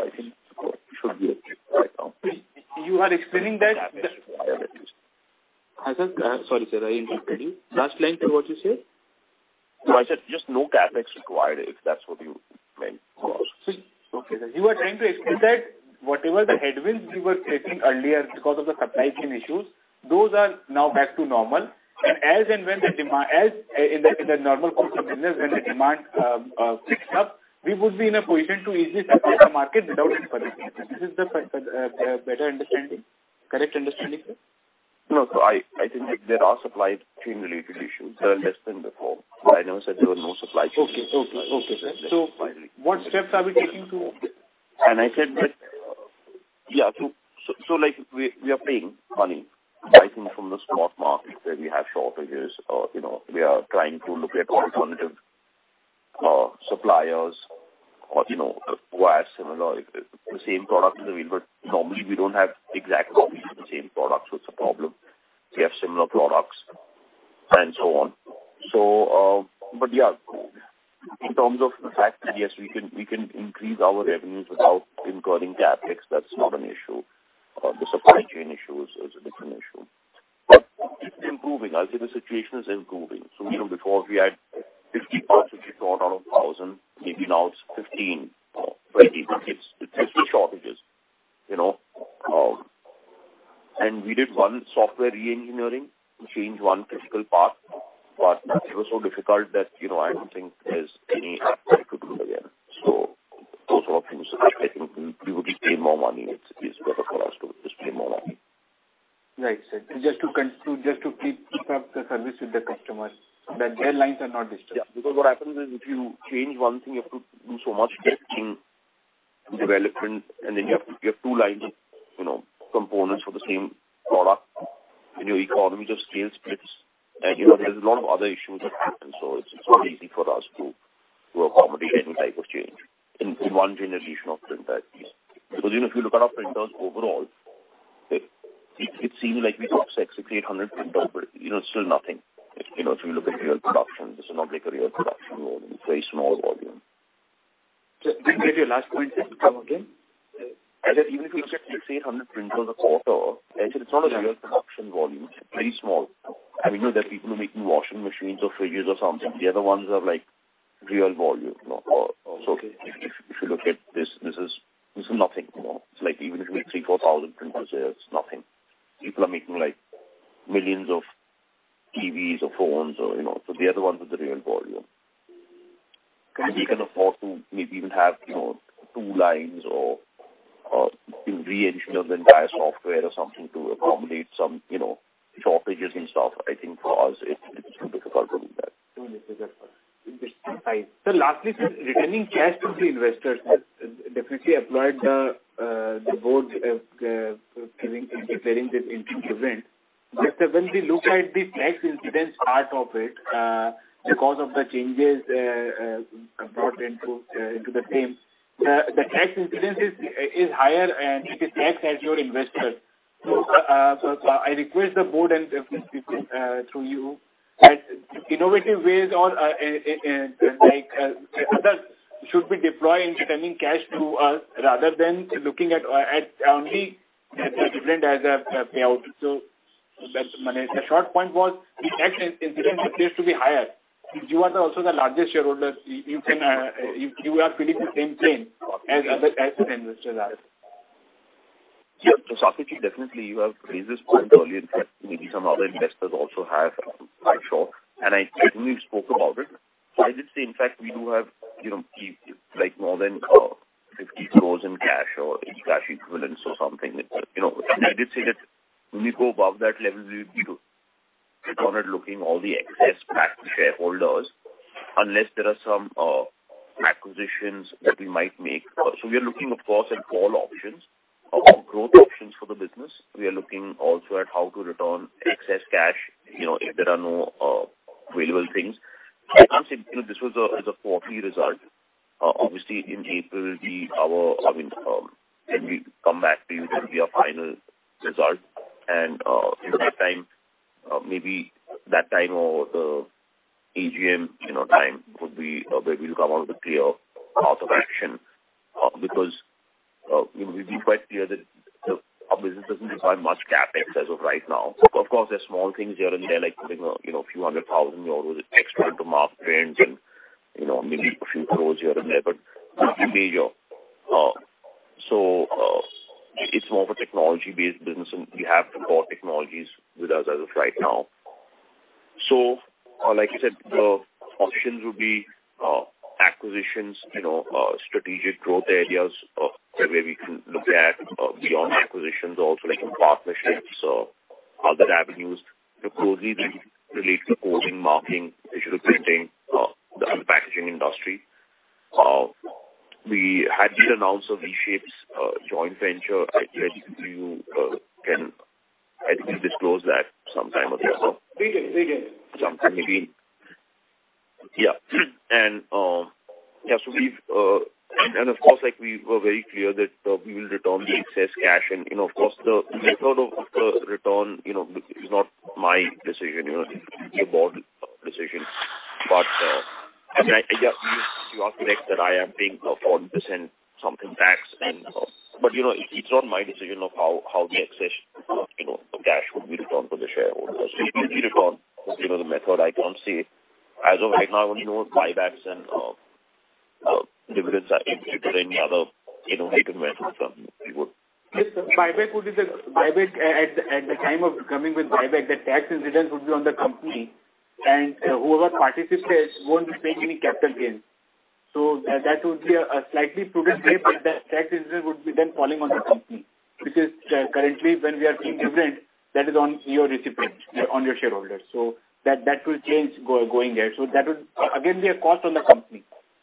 I think it should be okay right now. You are explaining that. CapEx required at least. Sorry, sir, I interrupted you. Last line to what you said. No, I said just no CapEx required, if that's what you meant. Okay, sir. You are trying to explain that whatever the headwinds we were facing earlier because of the supply chain issues, those are now back to normal. as and when the demand in the normal course of business when the demand picks up, we would be in a position to easily capture the market without any worries. Is this the better understanding? Correct understanding, sir? No. I think there are supply chain related issues. They are less than before. I never said there were no supply chain issues. Okay. Okay. Okay, sir. What steps are we taking? I said that. Like we are paying money, buying from the spot market where we have shortages or, you know, we are trying to look at alternative suppliers or, you know, who are similar, the same product in the real world. Normally we don't have exact copies of the same product, it's a problem. We have similar products and so on. In terms of the fact that yes we can increase our revenues without incurring CapEx, that's not an issue. The supply chain issue is a different issue. It's improving. I'll say the situation is improving. You know, before we had 50 parts which we brought out of 1,000, maybe now it's 15 or 20. It's shortages, you know. We did one software re-engineering to change one critical part. It was so difficult that, you know, I don't think there's any appetite to do it again. Those sort of things, I think we would pay more money. It's better for us to just pay more money. Right, sir. Just to keep up the service with the customers, that airlines are not disturbed. Yeah. What happens is if you change one thing, you have to do so much testing, development, and then you have two lines of, you know, components for the same product, and your economies of scale splits. You know, there's a lot of other issues that happen. It's not easy for us to accommodate any type of change in one generation of printer at least. You know, if you look at our printers overall, it seems like we talk 600-800 printers, but, you know, it's still nothing. You know, if you look at real production, this is not like a real production volume. It's very small volume. Just repeat your last point, sir. Come again? I said even if we ship 600-800 printers a quarter, as I said, it's not a real production volume. It's very small. I mean, look, there are people who are making washing machines or fridges or something. The other ones have, like, real volume, you know. If you look at this is nothing, you know. It's like even if we make 3,000-4,000 printers a year, it's nothing. People are making, like, millions of TVs or phones or, you know. They are the ones with the real volume. We can afford to maybe even have, you know, two lines or re-engineer the entire software or something to accommodate some, you know, shortages and stuff. I think for us it's too difficult to do that. Too difficult. Sir, lastly, sir, returning cash to the investors has definitely applied the board preparing this interim dividend. Just that when we look at the tax incidence part of it, because of the changes brought into the frame, the tax incidence is higher and it is taxed as your investor. I request the board and through you at innovative ways or like should be deploying returning cash to us rather than looking at only the dividend as a payout. My short point was the tax incidence appears to be higher. You are the also the largest shareholder. You can, you are feeling the same pain as the investors are. Yeah. Saket, you definitely, you have raised this point earlier. In fact, maybe some other investors also have, I'm sure. I certainly spoke about it. I did say, in fact, we do have, you know, like, more than 50 crore in cash or any cash equivalents or something. You know, I did say that when we go above that level, we will be looking all the excess back to shareholders unless there are some acquisitions that we might make. We are looking of course at all options of growth options for the business. We are looking also at how to return excess cash, you know, if there are no available things. I can't say, you know, this was a poorly result. Obviously in April will be our, I mean, when we come back to you, that'll be our final result. In the meantime, maybe that time or the AGM, you know, time would be maybe we'll come out with a clear course of action, because, you know, we've been quite clear that our business doesn't require much CapEx as of right now. Of course, there's small things here and there, like putting a, you know, few hundred thousand euros extra into Markprint and, you know, maybe a few INR crores here and there. Nothing major. It's more of a technology-based business, and we have to bought technologies with us as of right now. Like I said, the options would be, acquisitions, you know, strategic growth areas, where we can look at beyond acquisitions also like in partnerships or other avenues that closely relate to coding, marking, digital printing, the packaging industry. We had announced of V-Shapes, joint venture. I guess you can, I think we disclose that sometime or the other. We can. Sometime maybe. Yeah. Yeah. We've of course, like, we were very clear that we will return the excess cash. You know, of course the method of the return, you know, is not my decision. You know, it's the board decision. I mean, I, yeah, you are correct that I am paying 14% something tax and you know, it's not my decision of how the excess, you know, cash would be returned to the shareholders. It will be returned, you know, the method I can't say. As of right now, you know, buybacks and dividends are if there are any other, you know, item methods, we would Yes, sir. Buyback would be at the time of coming with buyback, the tax incidence would be on the company and whoever participates won't be paying any capital gains. That would be a slightly prudent way, but the tax incidence would be then falling on the company, which is currently when we are paying dividend that is on your recipient, on your shareholders. That will change going there. That would again be a cost on the company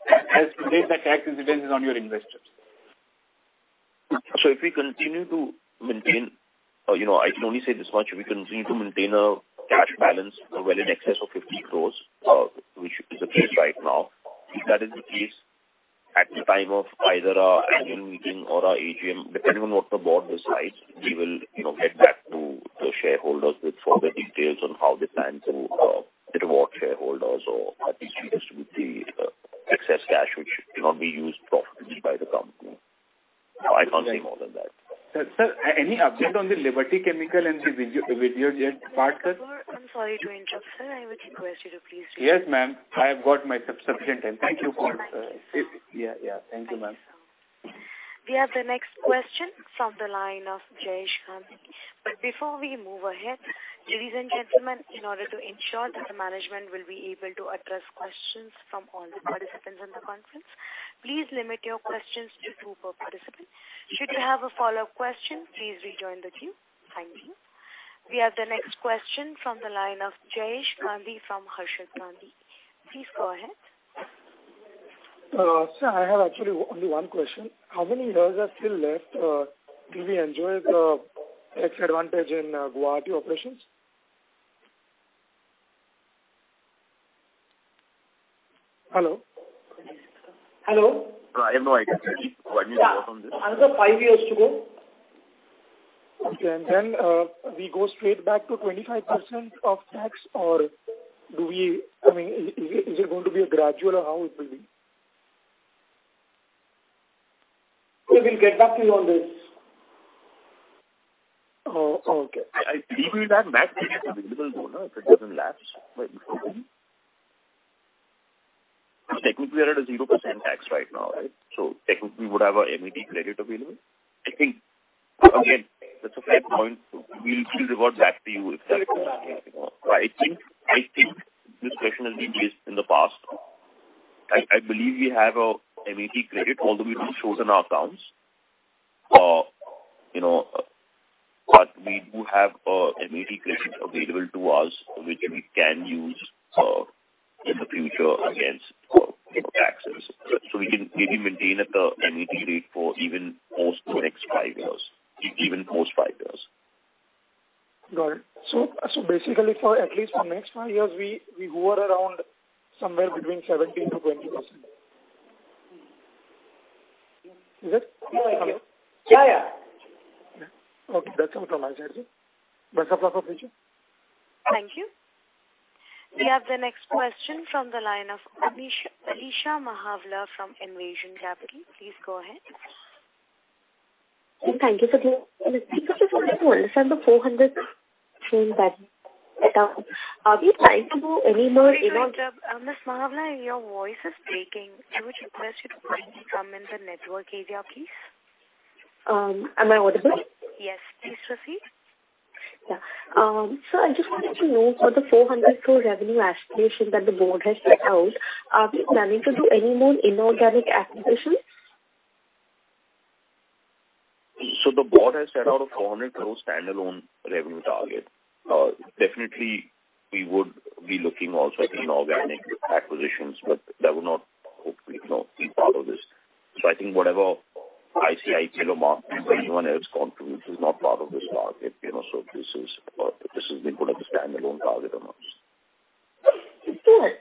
as today the tax incidence is on your investors. If we continue to maintain, you know, I can only say this much, if we continue to maintain a cash balance well in excess of 50 crores, which is the case right now. If that is the case at the time of either our annual meeting or our AGM, depending on what the board decides, we will, you know, get back to the shareholders with further details on how they plan to reward shareholders or how they choose to with the excess cash which cannot be used profitably by the company. I can't say more than that. Sir, any update on the Liberty Chemicals and the Videojet part, sir? I'm sorry to interrupt, sir. I would request you to please- Yes, ma'am. I have got my subsequent. Thank you for. Thank you so much. Yeah, yeah. Thank you, ma'am. We have the next question from the line of Jayesh Gandhi. Before we move ahead, ladies and gentlemen, in order to ensure that the management will be able to address questions from all the participants on the conference. Please limit your questions to two per participant. Should you have a follow-up question, please rejoin the queue. Thank you. We have the next question from the line of Jayesh Gandhi from Harshad Gandhi. Please go ahead. Sir, I have actually only one question. How many years are still left till we enjoy the tax advantage in Guwahati operations? Hello? Hello. I have no idea. Yeah. Another five years to go. Okay. We go straight back to 25% of tax or I mean, is it going to be a gradual or how it will be? We will get back to you on this. Oh, okay. I believe we will have available though if it doesn't lapse by. Technically we are at a 0% tax right now, right? Technically we would have a MAT credit available. I think, again, that's a fair point. We'll revert back to you if that. I think this question has been raised in the past. I believe we have a MAT credit, although we don't show it in our accounts. you know, but we do have a MAT credit available to us which we can use in the future against taxes. We can maybe maintain at the MAT rate for even post the next five years. Even post five years. Got it. Basically at least for next five years we hover around somewhere between 17%-20%. Is it? Yeah, yeah. Okay. That's all from my side, ji. Best of luck for future. Thank you. We have the next question from the line of Alisha Mahawala from Envision Capital. Please go ahead. Thank you for the understand the INR 400 crore that. Are we planning to do any more? Sorry to interrupt. Miss Mahawala, your voice is breaking. I would request you to kindly come in the network area, please. Am I audible? Yes. Please proceed. Yeah. I just wanted to know for the 400 crore revenue aspiration that the board has set out, are we planning to do any more inorganic acquisitions? The board has set out an 400 crore standalone revenue target. Definitely we would be looking also at inorganic acquisitions, but that would not hopefully, you know, be part of this. I think whatever ICIC or Mark or anyone else gone through, which is not part of this target, you know. This is we put up a standalone target amounts. Sure.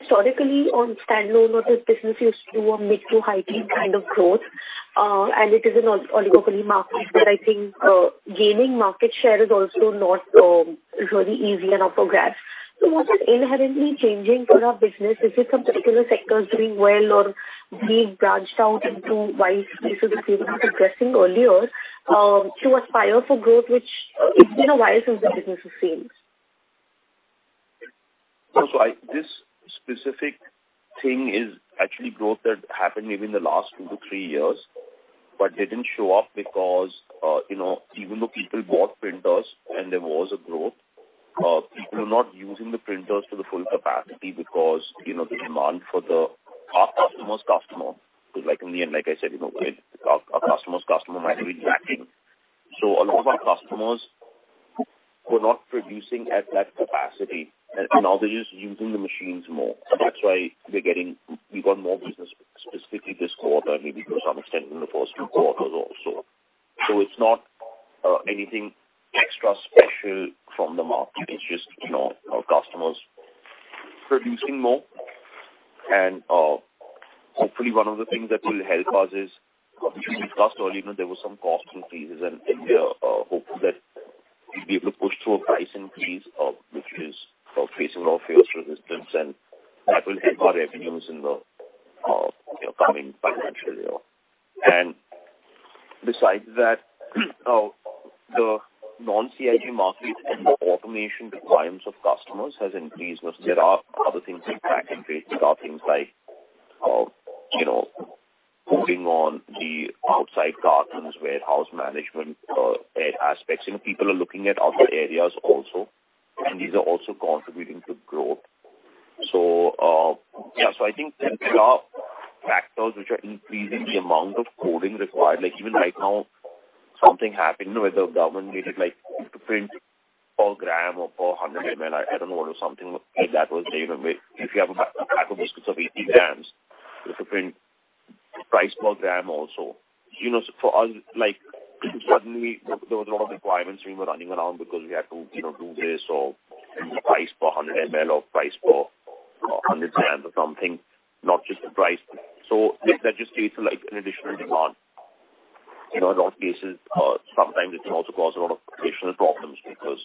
Historically on standalone of this business used to a mid-to-high teen kind of growth, and it is an oligopoly market. I think gaining market share is also not really easy and up for grabs. What is inherently changing for our business? Is it some particular sectors doing well or being branched out into wide spaces that we were not addressing earlier, to aspire for growth which it's been a while since that business has seen? This specific thing is actually growth that happened maybe in the last two-three years, but didn't show up because, you know, even though people bought printers and there was a growth, people are not using the printers to the full capacity because, you know, the demand for the Our customer's customer, because like in the end, like I said, you know, our customer's customer might be lacking. A lot of our customers were not producing at that capacity. Now they're just using the machines more. That's why we got more business specifically this quarter, maybe to some extent in the first two quarters also. It's not anything extra special from the market. It's just, you know, our customers producing more. Hopefully one of the things that will help us is, which we discussed earlier, there were some cost increases, and we are hopeful that we'll be able to push through a price increase, which is facing raw materials resistance, and that will help our revenues in the, you know, coming financial year. Besides that, the non-CIJ market and the automation requirements of customers has increased. There are other things like packaging, there are things like, you know, coding on the outside cartons, warehouse management aspects. You know, people are looking at other areas also, and these are also contributing to growth. Yeah. I think there are factors which are increasing the amount of coding required. Like even right now something happened where the government made it like to print per gram or per 100 ml. I don't know what or something like that was there. Where if you have a pack of biscuits of 80 g, you have to print price per gram also. You know, for us like suddenly there was a lot of requirements we were running around because we had to, you know, do this or price per 100 ml or price per 100 g or something, not just the price. It just creates like an additional demand. You know, in a lot of cases, sometimes it can also cause a lot of operational problems because,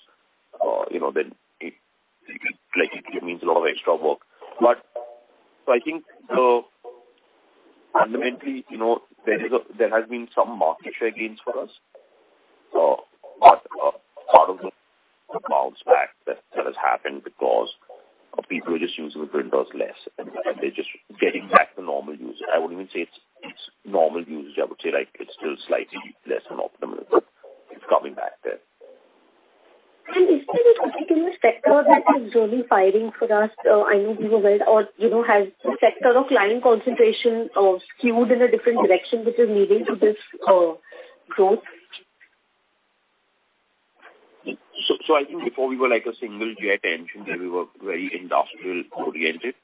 you know, then it like it means a lot of extra work. I think, fundamentally, you know, there has been some market share gains for us. Part of the bounce back that has happened because people are just using the printers less and they're just getting back to normal usage. I wouldn't even say it's normal usage. I would say like it's still slightly less than optimal, but it's coming back there. Is there a particular sector that is really firing for us? I know you know, has the sector of client concentration skewed in a different direction which is leading to this growth? I think before we were like a single jet engine where we were very industrial oriented.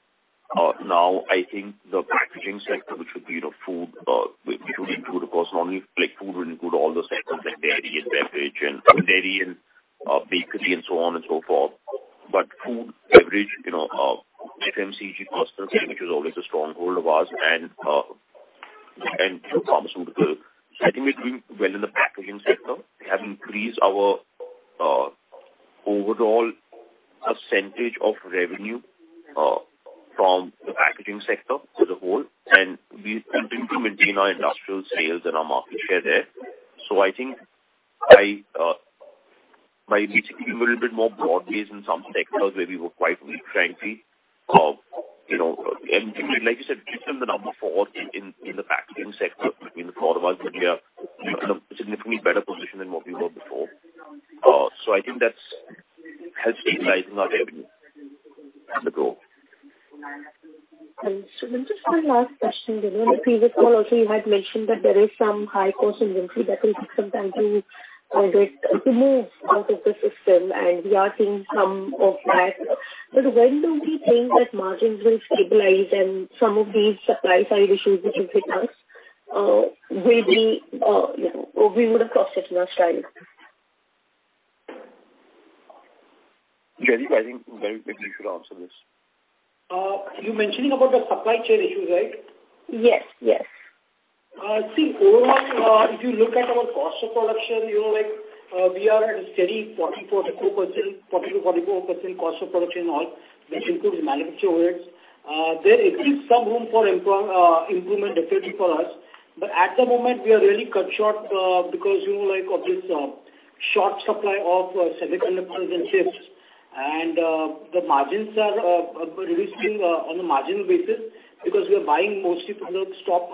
Now I think the packaging sector, which would be, you know, food, which would include of course normally like food will include all the sectors like dairy and beverage and dairy and bakery and so on and so forth. Food, beverage, you know, FMCG customer segment is always a stronghold of ours and pharmaceutical. I think we're doing well in the packaging sector. We have increased our overall percentage of revenue from the packaging sector as a whole, and we continue to maintain our industrial sales and our market share there. I think I might be a little bit more broad-based in some sectors where we were quite weak, frankly. You know, like you said, given the number four in, in the packaging sector in the quarter, but we are in a significantly better position than what we were before. I think that's helped stabilize our revenue and the growth. Shiva, just one last question? You know, in the previous call also you had mentioned that there is some high cost inventory that will take some time to get removed out of the system, and we are seeing some of that. When do we think that margins will stabilize and some of these supply side issues which have hit us, will be, you know, we would have crossed it last time? Jaideep, I think maybe you should answer this. You're mentioning about the supply chain issues, right? Yes, yes. See overall, if you look at our cost of production, you know, like, we are at a steady 44 to 4%, 40% to 44% cost of production and all, which includes manufacture overheads. There is some room for improvement definitely for us. At the moment we are really cut short, because, you know, like, of this, short supply of semiconductors and chips and, the margins are really still on a marginal basis because we are buying mostly from the stock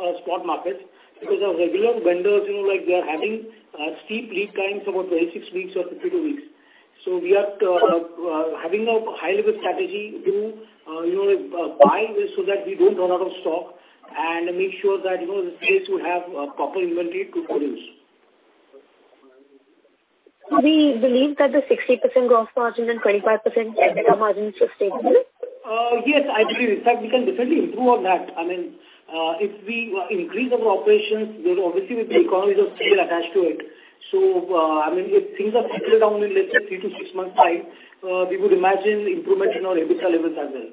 markets because our regular vendors, you know, like they are having steep lead times, about 26 weeks or 52 weeks. We are having a high level strategy to, you know, buy this so that we don't run out of stock and make sure that, you know, the place would have proper inventory to produce. Do we believe that the 60% gross margin and 25% EBITDA margin is sustainable? Yes, I believe. In fact, we can definitely improve on that. I mean, if we increase our operations, there obviously will be economies of scale attached to it. I mean, if things are settled down in let's say three-six months time, we would imagine improvement in our EBITDA levels as well.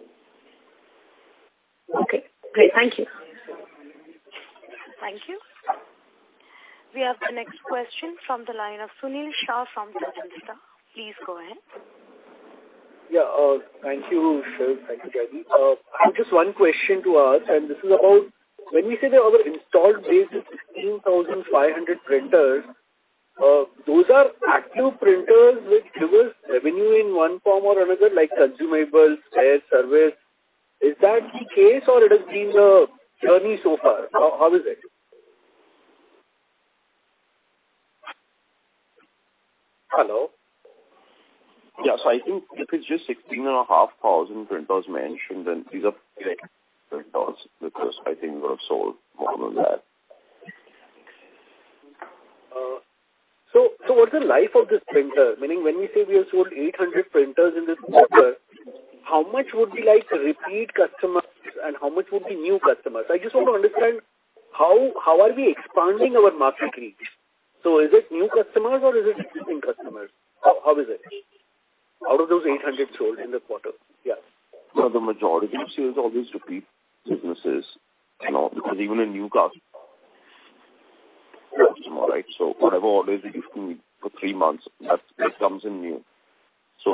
Okay, great. Thank you. Thank you. We have the next question from the line of Sunil Shah from Khambatta. Please go ahead. Yeah. Thank you, Shiv. Thank you, Jaideep. I've just one question to ask, and this is about when we say that our installed base is 16,500 printers, those are active printers which give us revenue in one form or another, like consumables, air, service. Is that the case or it has been a journey so far? How, how is it? Hello? Yes, I think if it's just 16,500 printers mentioned then these are direct printers because I think we have sold more than that. What's the life of this printer? Meaning when we say we have sold 800 printers in this quarter, how much would be like repeat customers and how much would be new customers? I just want to understand how are we expanding our market reach. Is it new customers or is it existing customers? How is it out of those 800 sold in the quarter? Yeah. No, the majority of sales are always repeat businesses, you know, because even a new customer, right? Whatever orders you give to me for 3 months, that's what comes in new.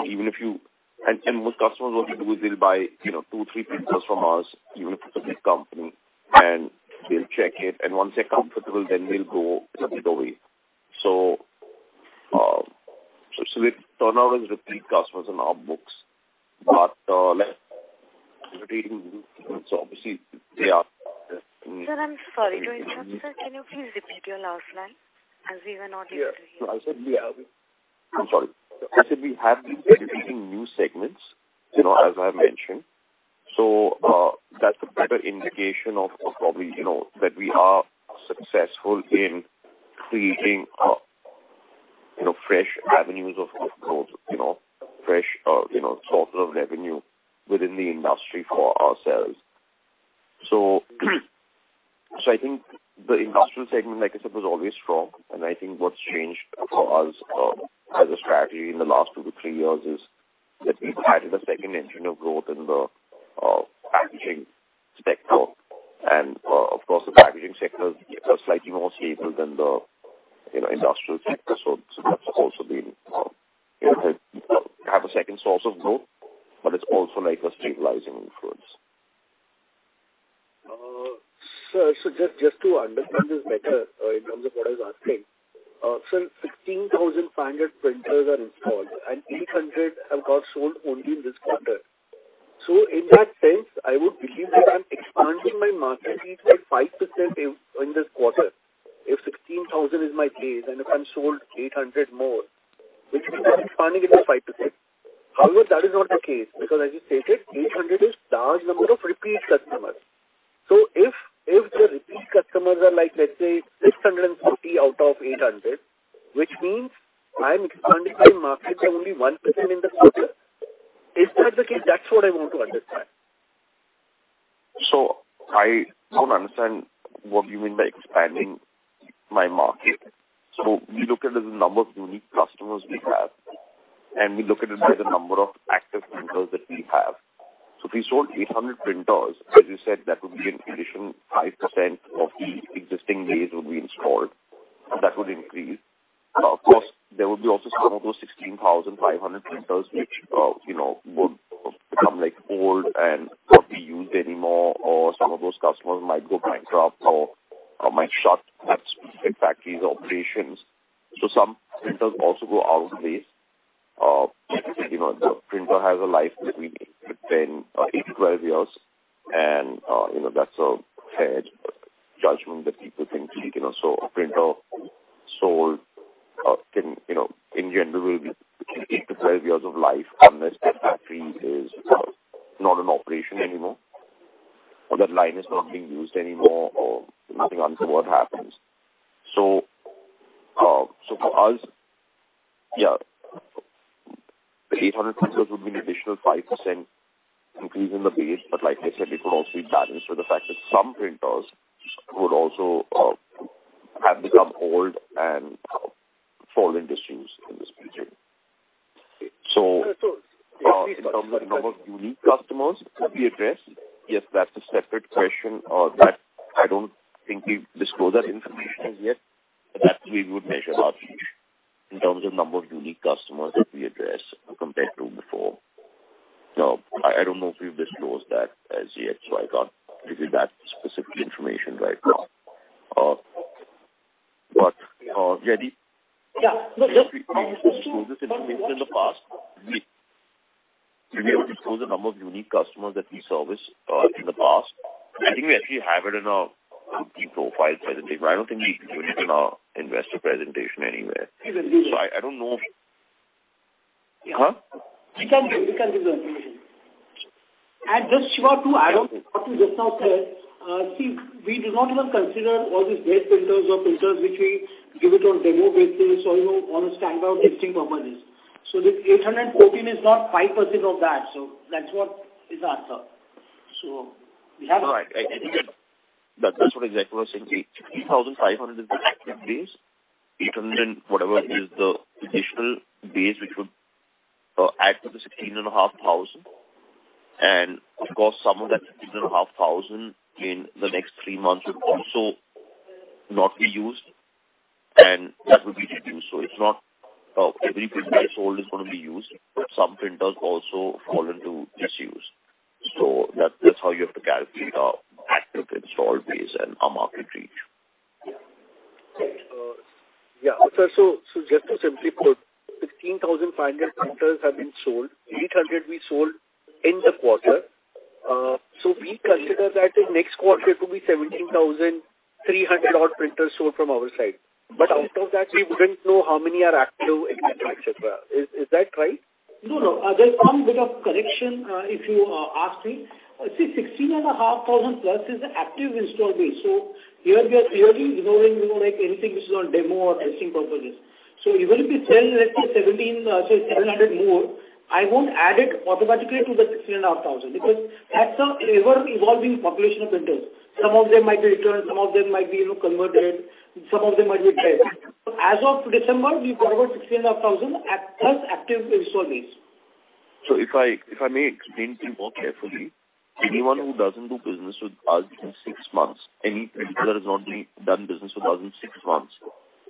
Even if you... Most customers, what they'll do is they'll buy, you know, two, three printers from us, even if it's a big company, and they'll check it, and once they're comfortable then we'll go a bit away. The turnover is repeat customers on our books. Like so obviously they are- Sir, I'm sorry to interrupt, sir. Can you please repeat your last line as we were not able to hear? Yeah. No, I'm sorry. I said we have been penetrating new segments, you know, as I mentioned. That's a better indication of probably, you know, that we are successful in creating, you know, fresh avenues of growth, you know, fresh, you know, sources of revenue within the industry for ourselves. I think the industrial segment, like I said, was always strong. I think what's changed for us as a strategy in the last two-three years is that we've added a second engine of growth in the packaging sector. Of course the packaging sector is slightly more scalable than the, you know, industrial sector. That's also been, you know, have a second source of growth, but it's also like a stabilizing influence. Sir, just to understand this better, in terms of what I was asking. Sir, 16,500 printers are installed and 800 have got sold only in this quarter. In that sense, I would believe that I'm expanding my market reach by 5% in this quarter. If 16,000 is my base, and if I'm sold 800 more, which is expanding it by 5%. However, that is not the case, because as you stated, 800 is large number of repeat customers. If the repeat customers are like, let's say 640 out of 800, which means I'm expanding my market by only 1% in the quarter. Is that the case? That's what I want to understand. I don't understand what you mean by expanding my market. We look at the number of unique customers we have, and we look at it by the number of active printers that we have. If we sold 800 printers, as you said, that would be an additional 5% of the existing base will be installed. That would increase. Of course, there will be also some of those 16,500 printers which, give it on demo basis or, you know, on a standalone testing purposes. The 814 is not 5% of that. That's what is the answer. We have. No. I think that that's what exactly I was saying. 16,500 is the active base. 800 and whatever is the additional base which would add to the 16,500. Of course, some of that 16,500 in the next three months would also not be used and that would be reduced. It's not every printer sold is gonna be used, but some printers also fall into disuse. That's how you have to calculate our active install base and our market reach. Yeah. Yeah. Just to simply put, 16,500 printers have been sold. 800 we sold in the quarter. We consider that the next quarter to be 17,300 odd printers sold from our side. Out of that we wouldn't know how many are active, et cetera. Is that right? No, no. There's one bit of correction, if you ask me. 16,500 plus is the active install base. Here we are clearly ignoring, you know, like, anything which is on demo or testing purposes. Even if we sell, let's say 17,700 more, I won't add it automatically to the 16,500 because that's a ever evolving population of printers. Some of them might be returned, some of them might be, you know, converted, some of them might be dead. As of December, we've got about 16,500 plus active install base. If I may explain to you more carefully. Anyone who doesn't do business with us in six months, any printer that has not been done business with us in six months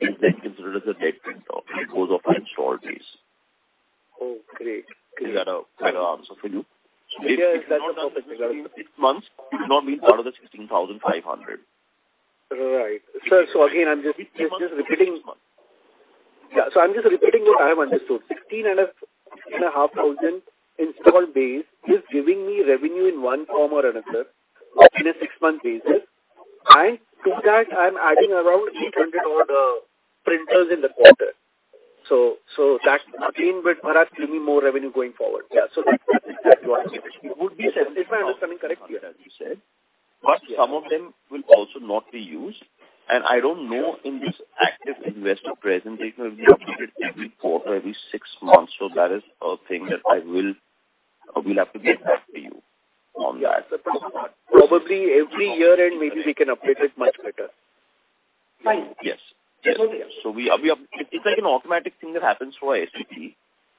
is considered as a dead printer. It goes off our installed base. Oh, great. Great. Is that a, that an answer for you? Yeah. Yeah. That's a perfect answer. If it's not done something in 6 months, it does not mean it's part of the 16,500. Right. Sir, again, I'm just repeating. Yeah. I'm just repeating what I have understood. 16,500 installed base is giving me revenue in one form or another in a six-month basis. To that I'm adding around 800 odd printers in the quarter. That again will perhaps give me more revenue going forward. Yeah. That's what I'm getting at. It would be sensible if I understand it correctly what you said. Some of them will also not be used. I don't know in this active investor presentation if we update it every quarter, every six months. That is a thing that I will or will have to get back to you on that. Yeah. Probably every year and maybe we can update it much better. Yes. Yes. Yes. It's like an automatic thing that happens through our STP.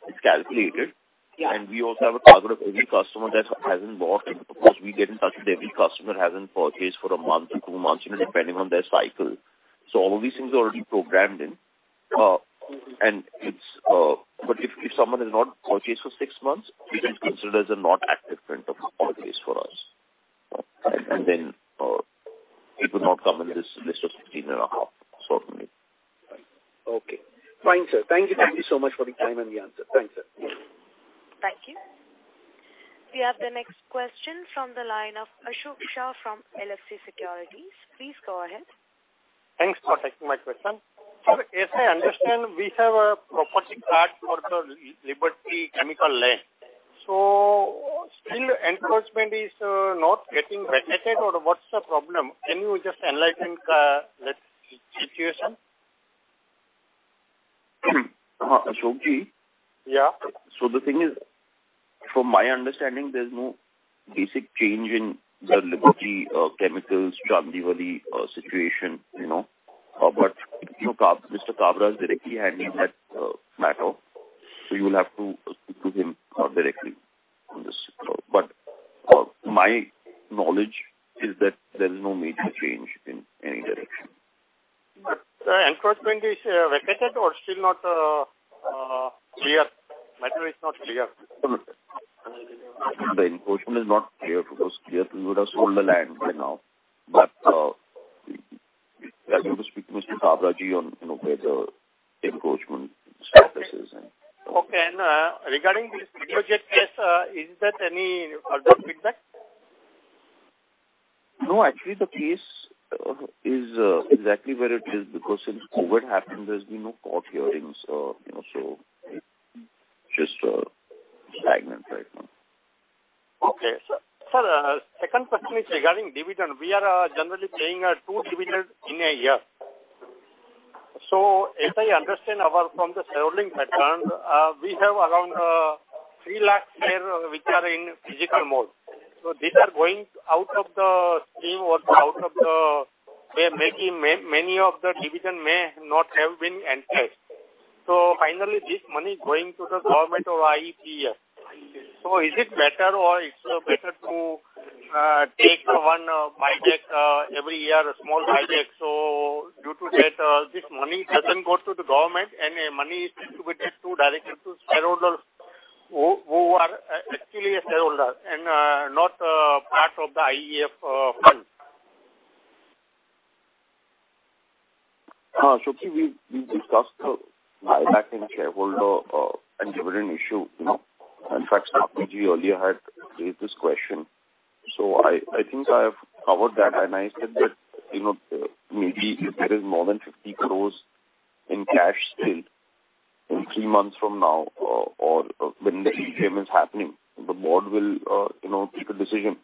It's calculated. Yeah. We also have a target of every customer that hasn't bought. Of course we get in touch with every customer who hasn't purchased for one month or two months, you know, depending on their cycle. All of these things are already programmed in. If someone has not purchased for six months, we can consider it as a not active printer for the case for us. Then, it would not come in this list of 15.5 certainly. Fine, sir. Thank you. Thank you so much for the time and the answer. Thanks, sir. Thank you. We have the next question from the line of Ashok Shah from LFC Securities. Please go ahead. Thanks for taking my question. Sir, as I understand, we have a property card for the Liberty Chemicals land. Still encroachment is not getting vacated or what's the problem? Can you just enlighten the situation? Ashok ji. Yeah. The thing is, from my understanding, there's no basic change in the Liberty Chemicals Chandivali situation, you know. You know, Mr. Kavra is directly handling that matter, so you will have to speak to him directly on this call. My knowledge is that there is no major change in any direction. The encroachment is vacated or still not clear? Matter is not clear. The incursion is not clear. If it was clear, we would have sold the land by now. You'll have to speak to Mr. Kabra ji on, you know, where the encroachment status is. Okay. regarding this project case, is there any further feedback? Actually the case is exactly where it is because since COVID happened, there's been no court hearings, you know, so just stagnant right now. Okay, sir. Sir, second question is regarding dividend. We are generally paying two dividend in a year. As I understand from the shareholding pattern, we have around 3 lakh share which are in physical mode. These are going out of the scheme or out of the many of the dividend may not have been encashed. Finally this money is going to the government or IEF. Is it better or it's better to take one buyback every year, a small buyback, due to that, this money doesn't go to the government and the money is distributed to directly to shareholder who are actually a shareholder and not part of the IEF fund. Ashok ji, we discussed the buyback and shareholder and dividend issue, you know. In fact, [Raghunandan] earlier had raised this question. I think I have covered that. I said that, you know, maybe if there is more than 50 crores in cash still in three months from now or when the AGM is happening, the board will, you know, take a decision.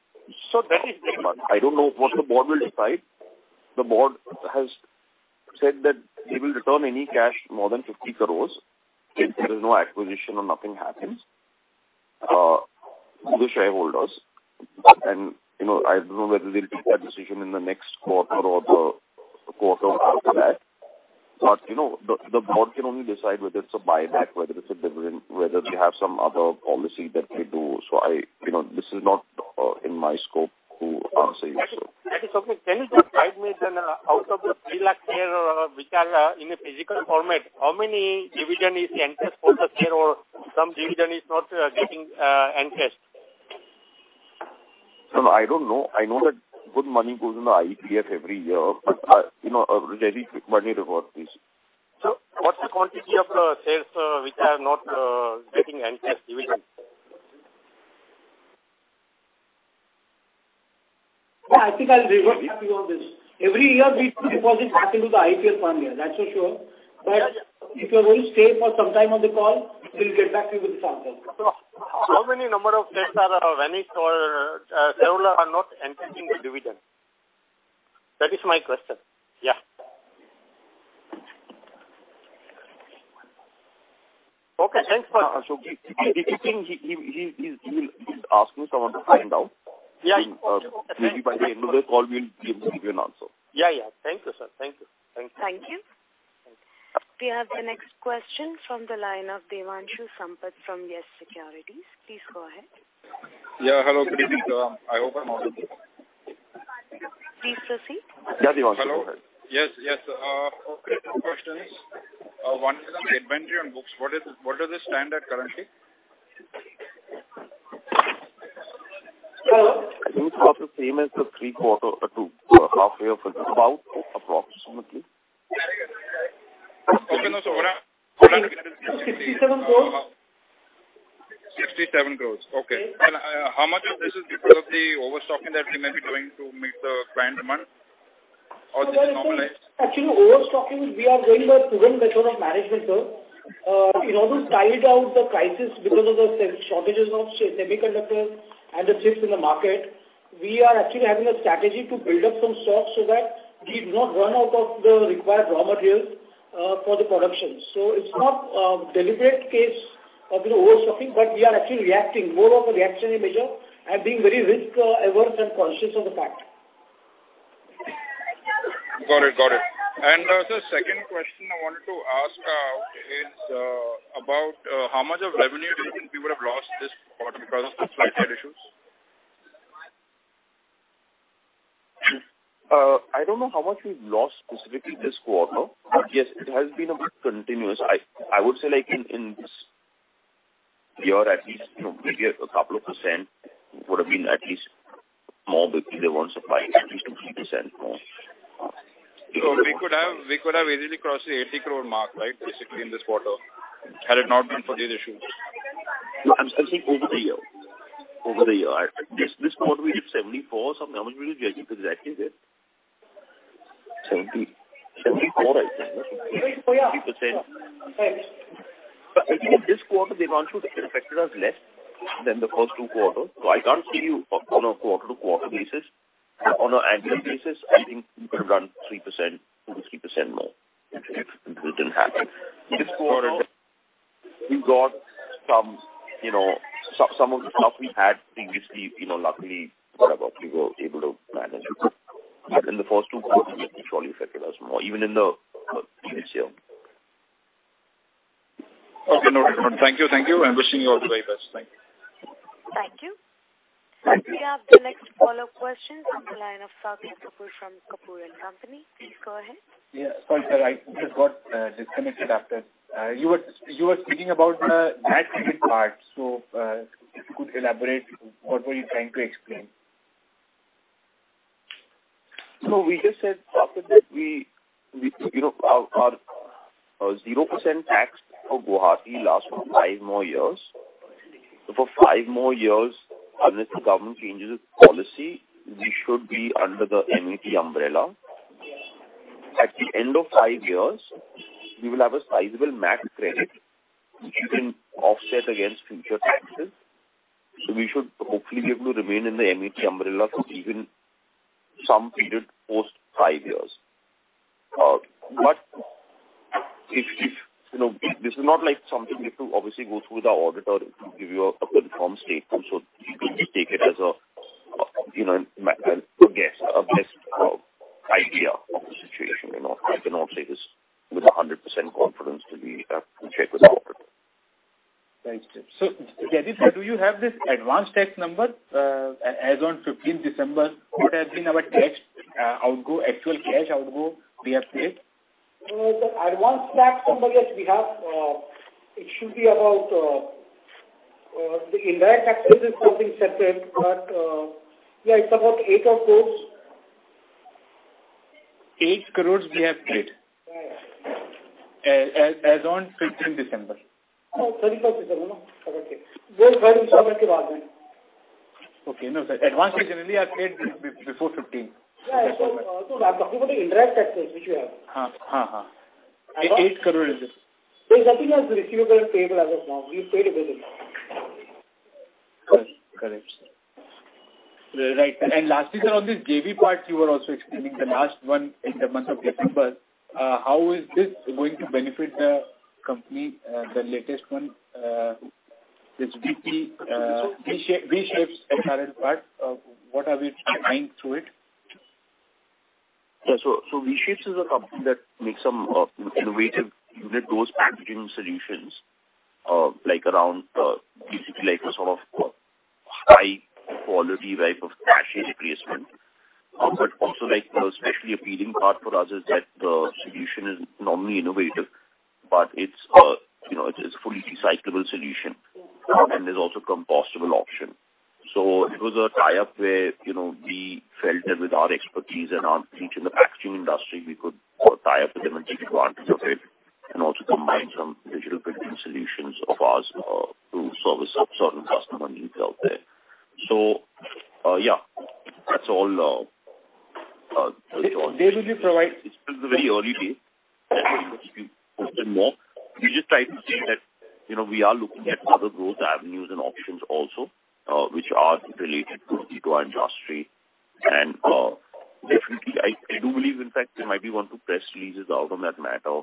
That is- I don't know what the board will decide. The board has said that they will return any cash more than 50 crores if there is no acquisition or nothing happens to the shareholders. You know, I don't know whether they'll take that decision in the next quarter or the quarter after that. You know, the board can only decide whether it's a buyback, whether it's a dividend, whether we have some other policy that we do. You know, this is not in my scope to answer you. That is okay. Can you just guide me, out of the 3 lakh share, which are, in a physical format, how many dividend is encashed for the share or some dividend is not getting encashed? No, I don't know. I know that good money goes into IEF every year. You know, a very quick money reward please. What's the quantity of the shares, which are not getting encashed dividend? No, I think I'll revert back to you on this. Every year we do deposit back into the IEF fund here, that's for sure. If you are going to stay for some time on the call, we'll get back to you with the samples. How many number of shares are vanished or shareholder are not encashing the dividend? That is my question. Yeah. Okay. Ashok ji, he's asking, I want to find out. Yeah. Maybe by the end of the call we'll give him an answer. Yeah. Thank you, sir. Thank you. Thank you. We have the next question from the line of Devanshu Sampat from Yes Securities. Please go ahead. Yeah, hello, good evening, sir. I hope I'm audible. Please proceed. Yeah, Devanshu. Go ahead. Hello. Yes. Yes. Okay, two questions. One is on inventory on books. What does it stand at currently? So- I think it's about the same as the three quarter or two, half year for this. About approximately. You can also hold on. Hold on. INR 67 crores. INR 67 crores. Okay. How much of this is because of the overstocking that we may be doing to meet the client demand or this is normal? Actually, overstocking, we are going by proven method of management, sir. In order to tide out the crisis because of the shortages of semiconductors and the chips in the market, we are actually having a strategy to build up some stock so that we do not run out of the required raw materials for the production. It's not a deliberate case of, you know, overstocking, but we are actually reacting. More of a reactionary measure and being very risk averse and conscious of the fact. Got it. Got it. Sir, second question I wanted to ask, is, about, how much of revenue do you think we would have lost this quarter because of the supply chain issues? I don't know how much we've lost specifically this quarter. Yes, it has been a bit continuous. I would say like in this here at least, you know, maybe a couple of percent would have been at least more, but they won't supply at least 2%, 3% more. We could have easily crossed the 80 crore mark, right, basically in this quarter, had it not been for these issues. No, I'm saying over the year, over the year. This quarter we did 74 some. How much were you judging exactly there? 70. 74 I think. Yeah. 50%. I think in this quarter, they weren't too affected us less than the first two quarters. I can't tell you on a quarter-to-quarter basis. On an annual basis, I think we could have done 3%, 2%-3% more if it didn't happen. This quarter we got some, you know, some of the stuff we had previously, you know, luckily, whatever, we were able to manage. In the first two quarters it probably affected us more, even in the. Okay. No, thank you. Thank you. I'm wishing you all the very best. Thank you. Thank you. We have the next follow-up question on the line of from Kapoor & Company. Please go ahead. Yeah. Sorry, sir, I just got disconnected after. You were speaking about the VAT credit part. If you could elaborate, what were you trying to explain? We just said after that we, you know, our 0% tax for Guwahati lasts for five more years. For five more years, unless the government changes its policy, we should be under the MeitY umbrella. At the end of five years, we will have a sizable max credit, which you can offset against future taxes. We should hopefully be able to remain in the MeitY umbrella for even some period post five years. If, you know, this is not like something we have to obviously go through the auditor to give you a confirmed statement. You could just take it as a, you know, a guess, a best idea of the situation. I cannot say this with a 100% confidence till we check with the auditor. Thanks, Shiv. Jaideep, sir, do you have this advance tax number as on 15th December? What has been our tax outgo, actual cash outgo we have paid? The advance tax number, yes, we have. It should be about, the indirect tax is something separate, but, yeah, it's about 8 crores. 8 crores we have paid? Yes. As on 15th December. No, 31st December. Okay. No, sir. Advances generally are paid before 15. Yeah. I'm talking about the indirect taxes which we have. 8 crore is this. There's nothing as receivable and payable as of now. We've paid everything. Correct. Correct, sir. Right. Lastly, sir, on this JV part you were also explaining the last one in the month of December. How is this going to benefit the company, the latest one, this V-Shapes S.r.l. part. What are we trying through it? Yeah. V-Shapes is a company that makes some innovative unit dose packaging solutions, like around, basically like a sort of high quality type of sachet replacement. Also like, you know, especially appealing part for us is that the solution is not only innovative, but it's, you know, it's fully recyclable solution, and there's also compostable option. It was a tie-up where, you know, we felt that with our expertise and our reach in the packaging industry, we could tie up with them and take advantage of it and also combine some digital printing solutions of ours, to service certain customer needs out there. Yeah, that's all. They will be. It's still the very early days. We just try to say that, you know, we are looking at other growth avenues and options also, which are related to our industry. Definitely I do believe in fact we might be one to press releases out on that matter.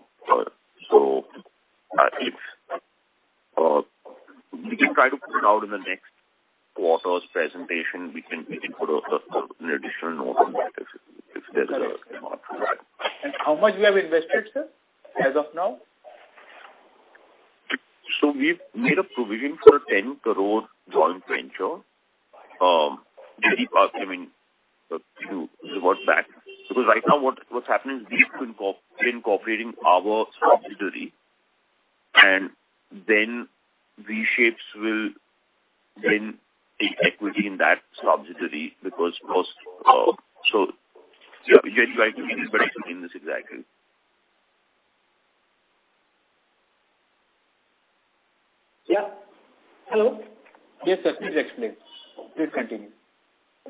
If we can try to put it out in the next quarter's presentation. We can put out an additional note on that if there's a amount to that. How much we have invested, sir, as of now? We've made a provision for a 10 crore joint venture. Maybe past, I mean, a few towards that. Right now what's happening is we've incorporating our subsidiary and then V-Shapes will then take equity in that subsidiary because most, so yeah, you are right. I think it's better to name this exactly. Yeah. Hello. Yes, sir. Please explain. Please continue.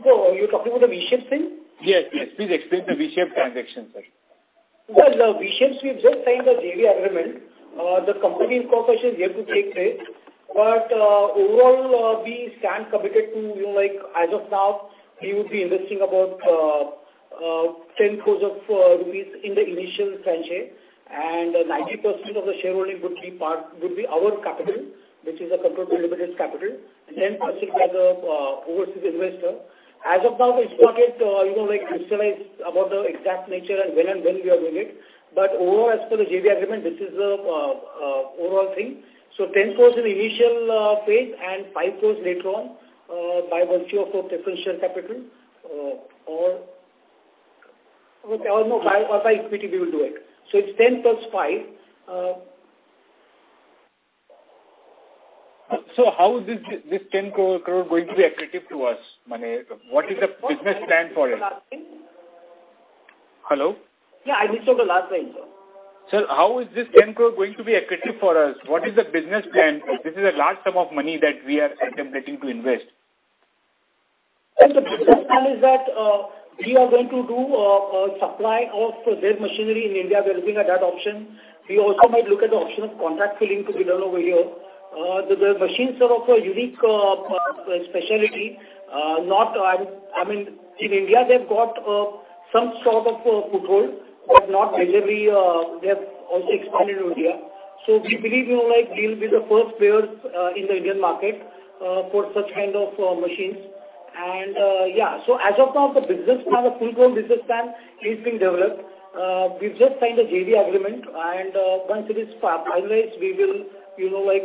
Are you talking about the V-Shapes thing? Yes. Please explain the V-Shapes transaction, sir. Well, the V-Shapes, we've just signed the JV agreement. The company incorporation is yet to take place. Overall, we stand committed to, you know, like as of now we would be investing about 10 crores rupees in the initial franchise. 90% of the shareholding would be part, would be our capital, which is a Control Print Limited capital, and then assisted by the overseas investor. As of now, it's not yet, you know, like crystallized about the exact nature and when and when we are doing it. Overall, as per the JV agreement, this is the overall thing. 10 crores in the initial phase and 5 crores later on, by virtue of our preferential capital, or by equity we will do it. It's 10+5. How is this 10 crore going to be accretive to us? What is the business plan for it? Hello? Yeah, I just took the last line, sir. Sir, how is this 10 crore going to be accretive for us? What is the business plan? This is a large sum of money that we are contemplating to invest. The business plan is that we are going to do a supply of their machinery in India. We are looking at that option. We also might look at the option of contract filling to be done over here. The machines are of a unique specialty. I mean, in India, they've got some sort of a foothold, but not widely. They have also expanded over here. We believe, you know, like, we'll be the first players in the Indian market for such kind of machines. Yeah. As of now, the business plan, the full blown business plan is being developed. We've just signed a JV agreement, and once it is finalized, we will, you know, like,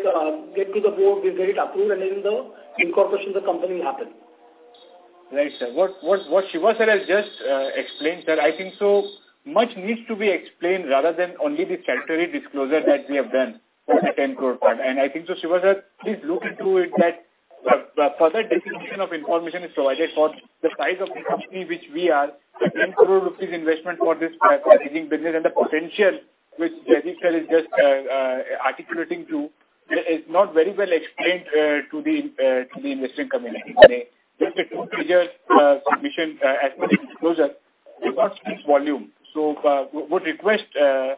get to the board, we'll get it approved, and then the incorporation of the company will happen. Right, sir. What Shiva sir has just explained, sir, I think so much needs to be explained rather than only the statutory disclosure that we have done for the 10 crore part. I think so Shiva sir, please look into it that the further definition of information is provided for the size of the company which we are, 10 crore rupees investment for this packaging business and the potential which Jaideep sir is just articulating to, is not very well explained to the investing community. Just a two-pager submission as per the disclosure about this volume. Would request to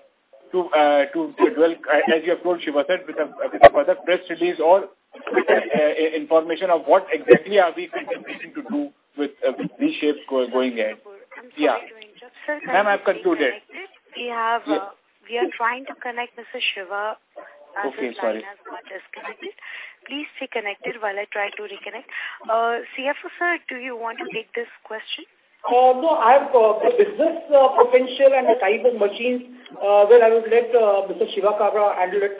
develop, as you approached Siva sir, with a further press release or with the information of what exactly are we contemplating to do with V-Shapes going ahead. I'm sorry to interrupt, sir. Ma'am, I've concluded. We have. Yes. We are trying to connect Mr. Shiva Kabra. Okay, sorry. As his line has got disconnected. Please stay connected while I try to reconnect. CFO sir, do you want to take this question? No, I have the business potential and the type of machines where I would let Mr. Shiva Kabra handle it.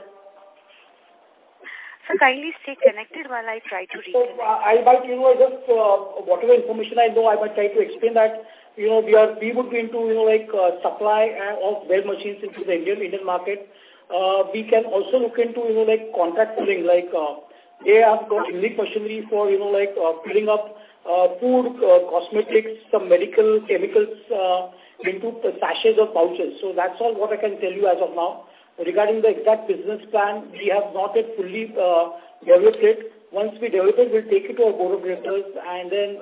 Sir, kindly stay connected while I try to reconnect. I might, you know, just whatever information I know, I might try to explain that. You know, we are able to, you know, like supply V-Shapes machines into the Indian market. We can also look into, you know, like contract filling, like they have got unique machinery for, you know, like filling up food, cosmetics, some medical chemicals into sachets or pouches. That's all what I can tell you as of now. Regarding the exact business plan, we have not yet fully developed it. Once we develop it, we'll take it to our board of directors, and then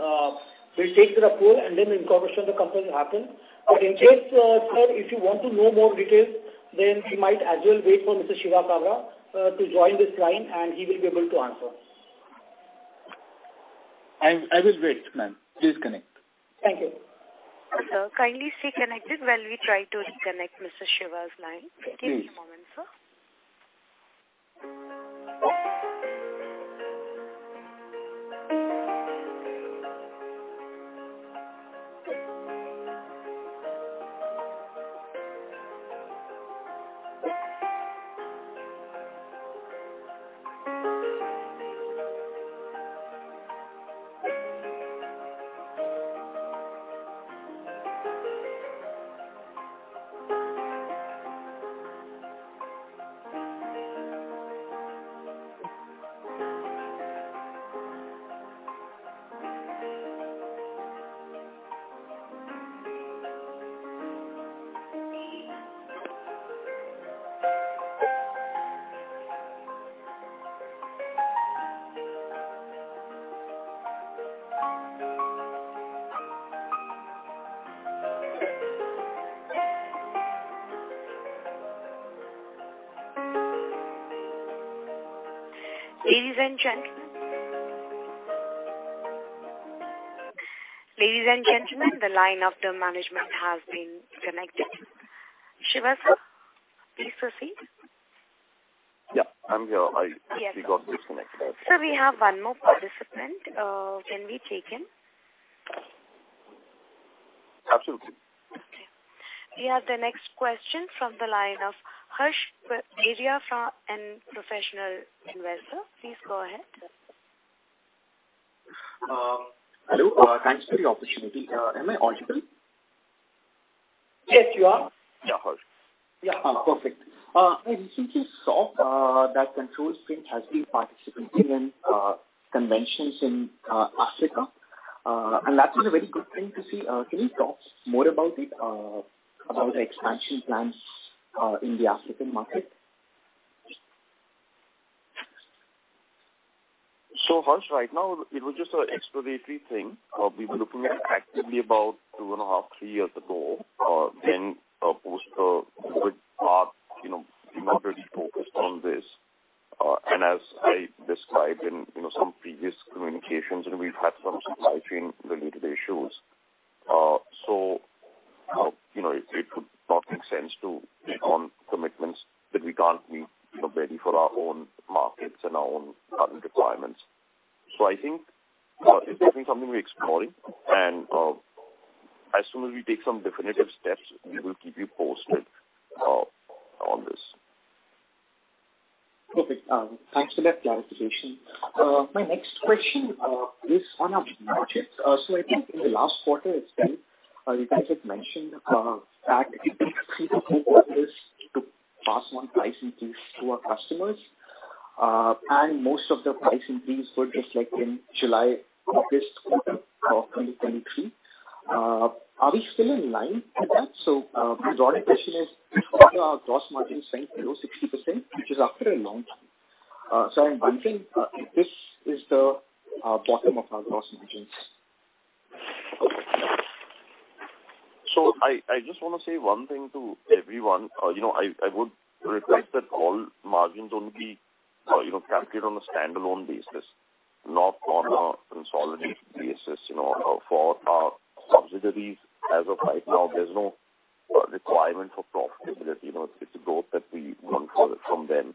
we'll take the report, incorporation of the company will happen. In case, sir, if you want to know more details, then we might as well wait for Mr. Shiva Kabra to join this line, and he will be able to answer. I will wait, ma'am. Please connect. Thank you. Sir, kindly stay connected while we try to reconnect Mr. Shiva's line. Please. Give me a moment, sir. Ladies and gentlemen, the line of the management has been connected. Shiva sir, please proceed. Yeah, I'm here. We got disconnected. Sir, we have one more participant. Can we take him? Absolutely. Okay. We have the next question from the line of Harsh Bedia and Professional Investor. Please go ahead. Hello. Thanks for the opportunity. Am I audible? Yes, you are. Yeah. Yeah. perfect. I recently saw that Control Print has been participating in conventions in Africa, and that's a very good thing to see. Can you talk more about it, about the expansion plans in the African market? Harsh, right now it was just a exploratory thing. We were looking at actively about two and half, three years ago. Post the COVID part, you know, we were pretty focused on this. As I described in, you know, some previous communications, and we've had some supply chain related issues. You know, it would not make sense to take on commitments that we can't meet, you know, ready for our own markets and our own current requirements. I think it will be something we're exploring and as soon as we take some definitive steps, we will keep you posted. Perfect. Thanks for that clarification. My next question is on our margins. I think in the last quarter itself, you guys had mentioned that it takes three to four quarters to pass on price increase to our customers. And most of the price increase were just like in July, August quarter of 2023. Are we still in line with that? The broader question is whether our gross margin staying below 60%, which is after a long time. I'm thinking if this is the bottom of our gross margins. I just wanna say one thing to everyone. you know, I would request that all margins only, you know, calculate on a standalone basis, not on a consolidated basis. You know, for our subsidiaries, as of right now, there's no requirement for profitability. You know, it's growth that we want for it from them.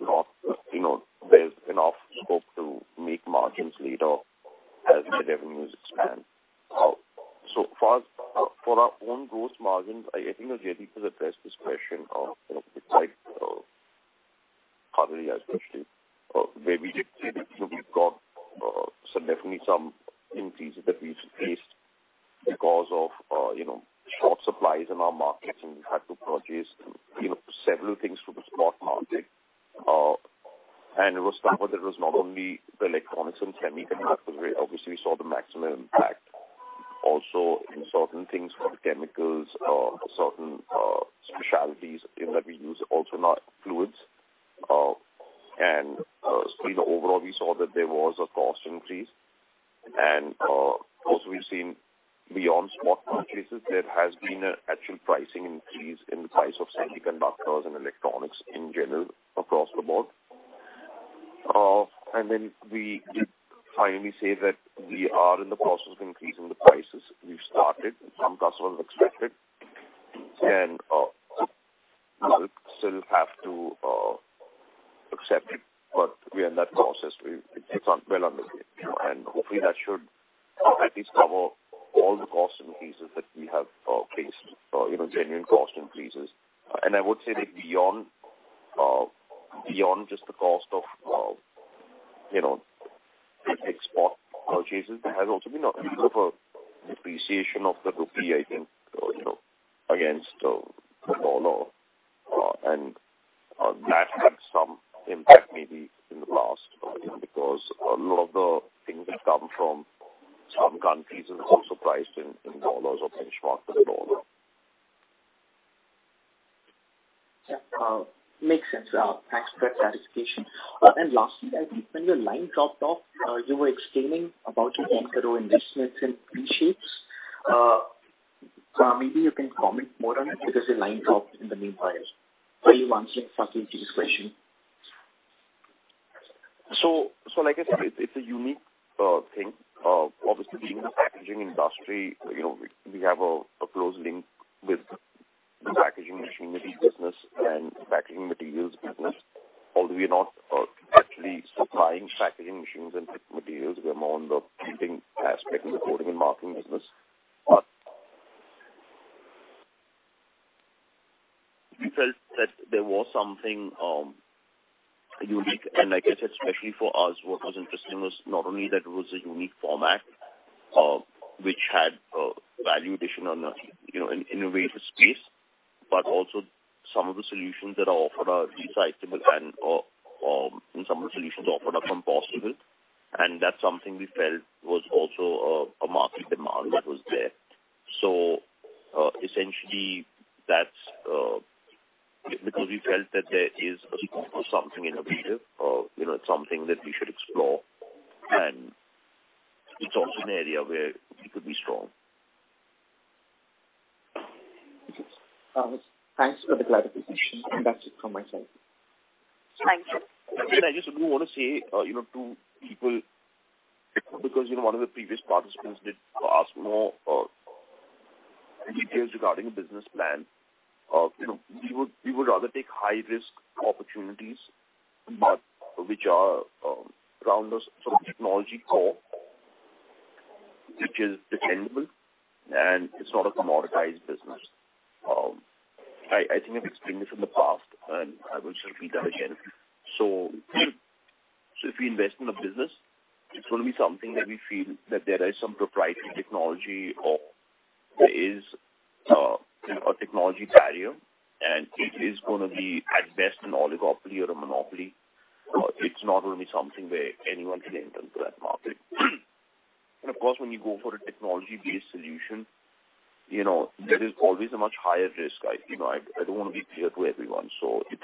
Not, you know, there's enough scope to make margins later as the revenues expand. for our own gross margins, I think, Jaideep has addressed this question of, you know, the type of category especially, where we've seen, you know, we've got, definitely some increases that we faced because of, you know, short supplies in our markets, and we had to purchase, you know, several things from the spot market. It was not that it was not only the electronics and chemical that was very obviously saw the maximum impact. Also in certain things from chemicals, certain specialties, you know, that we use also in our fluids. Overall, we saw that there was a cost increase. Also we've seen beyond spot purchases, there has been a actual pricing increase in the price of semiconductors and electronics in general across the board. We did finally say that we are in the process of increasing the prices. We've started. Some customers accepted, some will still have to accept it, we are in that process. It's well underway. Hopefully that should at least cover all the cost increases that we have faced, you know, genuine cost increases. I would say that beyond just the cost of, you know, the export purchases, there has also been a bit of a depreciation of the rupee, I think, you know, against the dollar. That had some impact maybe in the last quarter, because a lot of the things that come from some countries is also priced in dollars or benchmarked with dollar. Yeah. Makes sense. Thanks for that clarification. Lastly, I think when your line dropped off, you were explaining about your venture investments in V-Shapes. Maybe you can comment more on it because the line dropped in the meanwhile while you were answering Saket's question. Like I said, it's a unique thing. Obviously being in the packaging industry, you know, we have a close link with the packaging machinery business and packaging materials business. Although we are not actually supplying packaging machines and materials, we are more on the painting aspect of the coating and marking business. We felt that there was something unique. Like I said, especially for us, what was interesting was not only that it was a unique format, which had value addition on a, you know, an innovative space, but also some of the solutions that are offered are recyclable and some of the solutions offered are compostable. That's something we felt was also a market demand that was there. Essentially that's... We felt that there is a scope for something innovative, you know, it's something that we should explore, and it's also an area where we could be strong. Okay. Thanks for the clarification. That's it from my side. Thank you. I just do wanna say, you know, to people, because, you know, one of the previous participants did ask more details regarding the business plan. You know, we would rather take high risk opportunities, but which are around the sort of technology core, which is defendable and it's not a commoditized business. I think I've explained this in the past, and I will repeat that again. If we invest in a business, it's gonna be something that we feel that there is some proprietary technology or there is, you know, a technology barrier, and it is gonna be at best an oligopoly or a monopoly. It's not gonna be something where anyone can enter into that market. Of course, when you go for a technology-based solution, you know, there is always a much higher risk. I, you know, I don't wanna be clear to everyone, so this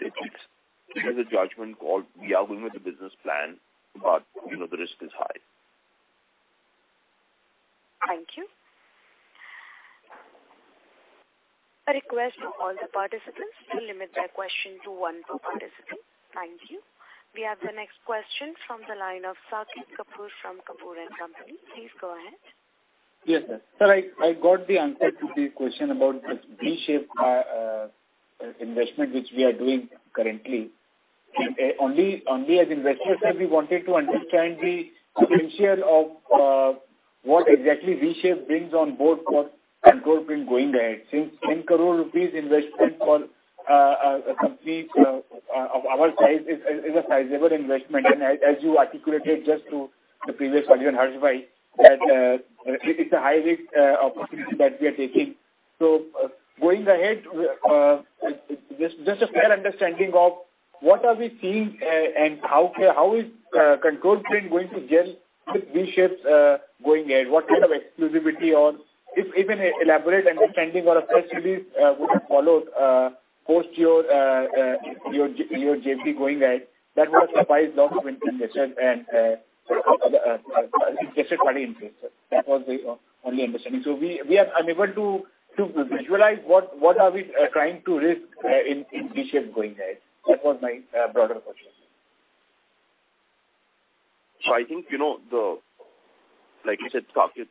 is a judgment call. We are going with the business plan, but, you know, the risk is high. Thank you. A request to all the participants to limit their question to one per participant. Thank you. We have the next question from the line of Saket Kapoor from Kapoor & Company. Please go ahead. Yes, sir. I got the answer to this question about this V-Shapes investment which we are doing currently. Only as investors we wanted to understand the potential of what exactly V-Shapes brings on board for Control Print going ahead. Since 10 crore rupees investment for a complete of our size is a sizable investment. As you articulated just to the previous question, Harshvai, that it's a high risk opportunity that we are taking. Going ahead, just a fair understanding of what are we seeing and how is Control Print going to gel with V-Shapes' going ahead? What kind of exclusivity or if even elaborate understanding or a press release would have followed post your your JV going ahead? That would have sufficed lot of intention and invested party interest. That was the only understanding. We are unable to visualize what are we trying to risk in V-Shapes going ahead. That was my broader question. I think, you know, like you said, Saket,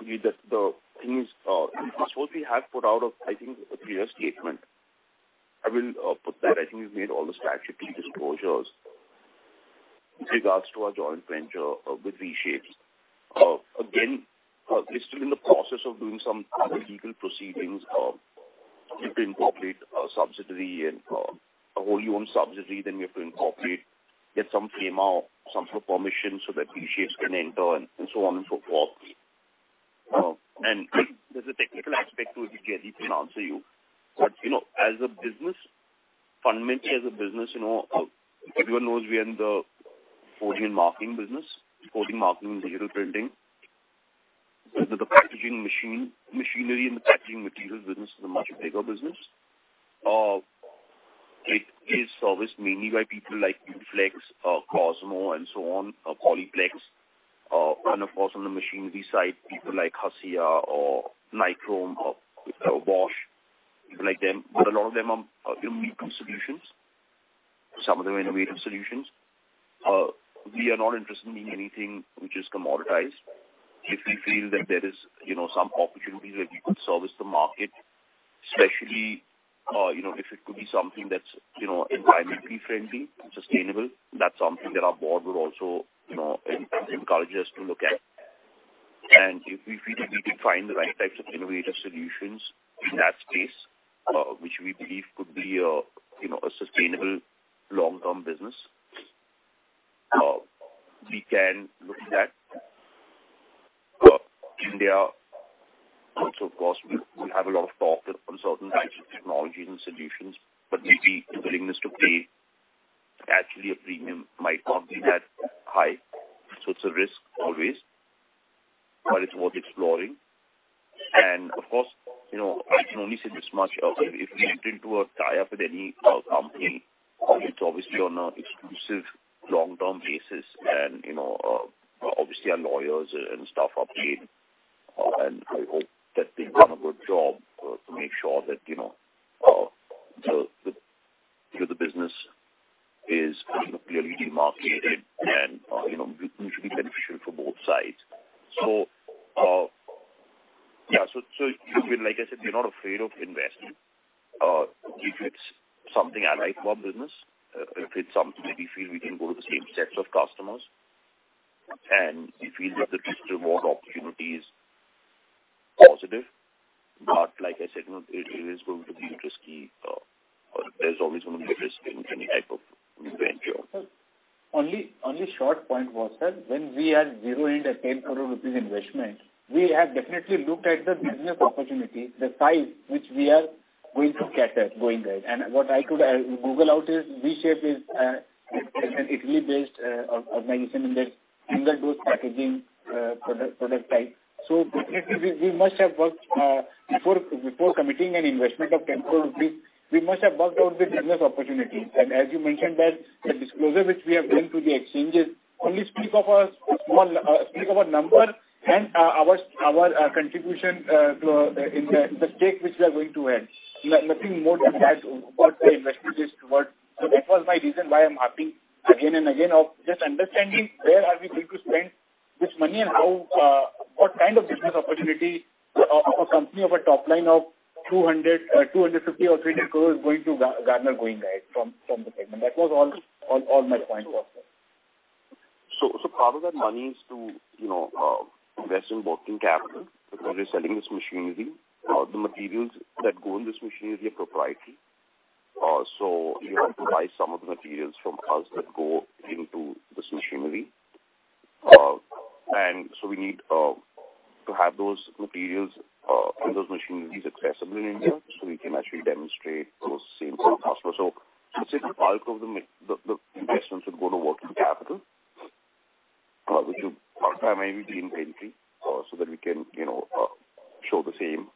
the things what we have put out of, I think, the previous statement, I will put that. I think we've made all the statutory disclosures with regards to our joint venture with V-Shapes. Again, we're still in the process of doing some other legal proceedings to incorporate a subsidiary and a wholly owned subsidiary. We have to incorporate, get some FEMA, some sort of permission so that V-Shapes can enter and so on and so forth. There's a technical aspect to it which Eddie can answer you. You know, as a business, fundamentally as a business, you know, everyone knows we are in the coding and marking business, coding, marking, and digital printing. The packaging machinery and the packaging materials business is a much bigger business. It is serviced mainly by people like UFlex, Cosmo and so on, Polyplex. Of course on the machinery side, people like Hassia or Nichrome or Bosch, people like them. A lot of them are unique solutions. Some of them are innovative solutions. We are not interested in anything which is commoditized. If we feel that there is, you know, some opportunity where we could service the market, especially, you know, if it could be something that's environmentally friendly, sustainable, that's something that our board would also, you know, encourage us to look at. If we feel we could find the right types of innovative solutions in that space, which we believe could be a, you know, a sustainable long-term business, we can look at. India also of course we have a lot of talk with consultants about technologies and solutions, but maybe the willingness to pay actually a premium might not be that high. It's a risk always, but it's worth exploring. Of course, you know, I can only say this much. If we enter into a tie-up with any, company, it's obviously on a exclusive long-term basis. You know, obviously our lawyers and stuff are paid. I hope that they've done a good job to make sure that, you know, the business is, you know, clearly demarcated and, you know, which will be beneficial for both sides. Yeah. Like I said, we're not afraid of investing. If it's something aligned to our business, if it's something that we feel we can go to the same sets of customers, and we feel that the risk reward opportunity is positive. Like I said, you know, it is going to be risky. There's always gonna be risk in any type of new venture. Only short point was that when we are zeroing the INR 10 crore investment, we have definitely looked at the business opportunity, the size which we are going to cater going ahead. What I could Google out is V-Shapes is an Italy-based organization in the single dose packaging product type. We must have worked before committing an investment of 10 crore rupees, we must have worked out the business opportunity. As you mentioned that the disclosure which we have done to the exchanges only speak of a small speak of a number and our contribution to in the stake which we are going to earn. Nothing more than that what the investment is toward. That was my reason why I'm asking again and again of just understanding where are we going to spend this money and how, what kind of business opportunity of a company of a top line of 200, 250 or 300 crores going to garner going ahead from the segment. That was all my point was that. Part of that money is to invest in working capital because we're selling this machinery. The materials that go in this machinery are proprietary. You have to buy some of the materials from us that go into this machinery. We need to have those materials and those machineries accessible in India, so we can actually demonstrate those same to the customer. I would say the bulk of the investments would go to working capital. Which will part-time may be in inventory, so that we can show the same.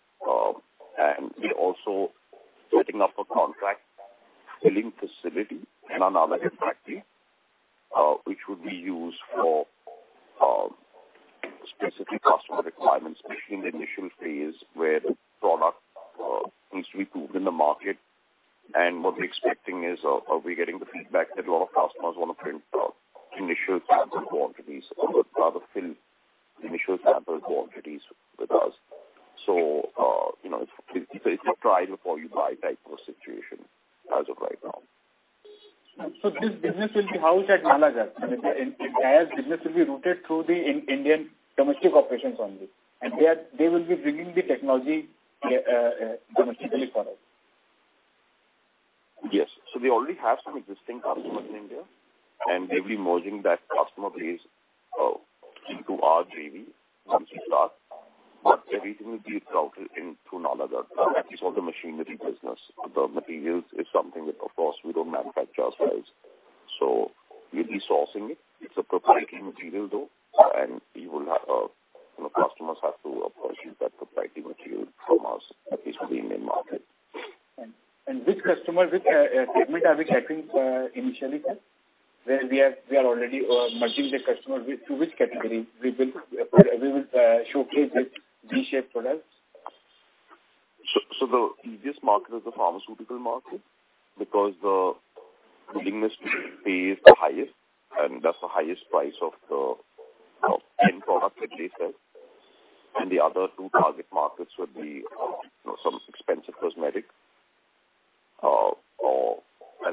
We're also setting up a contract filling facility in another factory, which would be used for specific customer requirements, especially in the initial phase where the product needs to be proved in the market. What we're expecting is, are we getting the feedback that a lot of customers want to print, initial kinds of quantities or rather fill-With us? you know, it's a try before you buy type of situation as of right now. This business will be housed at Nalagarh. I mean, the air business will be routed through the Indian domestic operations only. They will be bringing the technology domestically for us. Yes. We already have some existing customers in India, and they'll be merging that customer base into our JV once we start. Everything will be routed in through Nalagarh, at least for the machinery business. The materials is something that, of course, we don't manufacture ourselves, so we'll be sourcing it. It's a proprietary material, though, and we will have, you know, customers have to purchase that proprietary material from us, at least for the Indian market. Which customer, which segment are we catering to initially, sir? Where we are already merging the customer? Which, to which category we will showcase this D-shape products? The easiest market is the pharmaceutical market because the willingness to pay is the highest, and that's the highest price of the, of end product at least. The other two target markets would be, you know, some expensive cosmetics.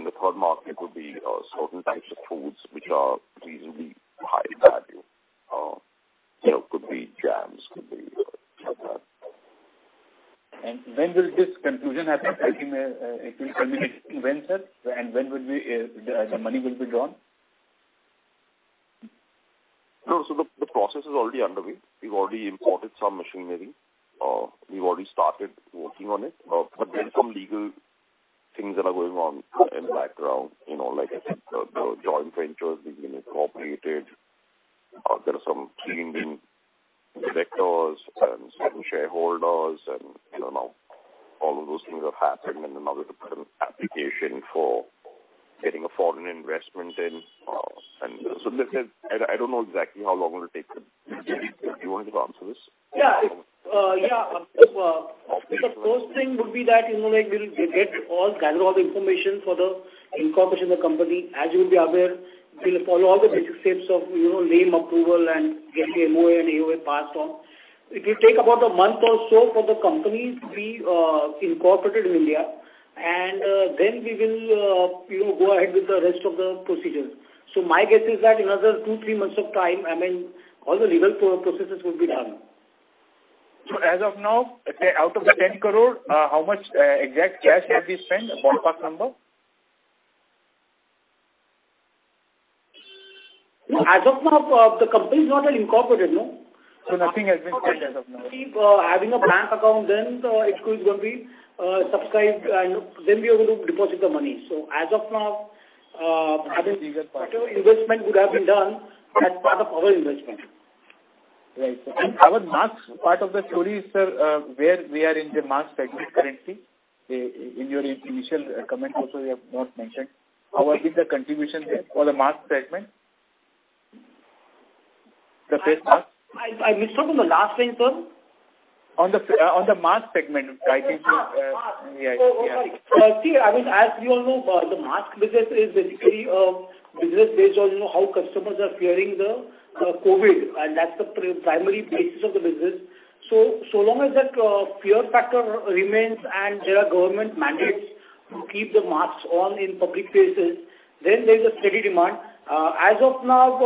The third market would be, certain types of foods which are reasonably high value. You know, could be jams, could be chocolate. When will this conclusion happen? I think, it will terminate when, sir? When will the money will be drawn? The process is already underway. We've already imported some machinery. We've already started working on it. But there are some legal things that are going on in the background. You know, like I said, the joint venture is being incorporated. There are some key Indian directors and certain shareholders and, you know, now all of those things have happened. Now there's an application for getting a foreign investment in, and so this is... I don't know exactly how long it will take them. Jaideep, do you want to answer this? Yeah. Yeah. Of course. The first thing would be that, you know, like, we'll gather all the information for the incorporation of the company. As you will be aware, we'll follow all the basic steps of, you know, name approval and get the MOA and AOA passed on. It will take about 1 month or so for the company to be incorporated in India and then we will, you know, go ahead with the rest of the procedure. My guess is that another two, three months of time, I mean, all the legal processes will be done. As of now, say out of the 10 crore, how much exact cash have you spent? A ballpark number. No, as of now, the company is not yet incorporated, no? Nothing has been spent as of now. Having a bank account then, it is going to be subscribed and then we are going to deposit the money. As of now, I think whatever investment would have been done as part of our investment. Right. Our masks part of the story, sir, where we are in the mask segment currently? In your initial comment also you have not mentioned. How is the contribution there for the mask segment? The face mask. I missed out on the last thing, sir. On the mask segment, I think you. Mask. Yeah. Yeah. I mean, as you all know, the mask business is basically a business based on, you know, how customers are fearing the COVID, and that's the primary basis of the business. So long as that fear factor remains and there are government mandates to keep the masks on in public places, then there's a steady demand. As of now,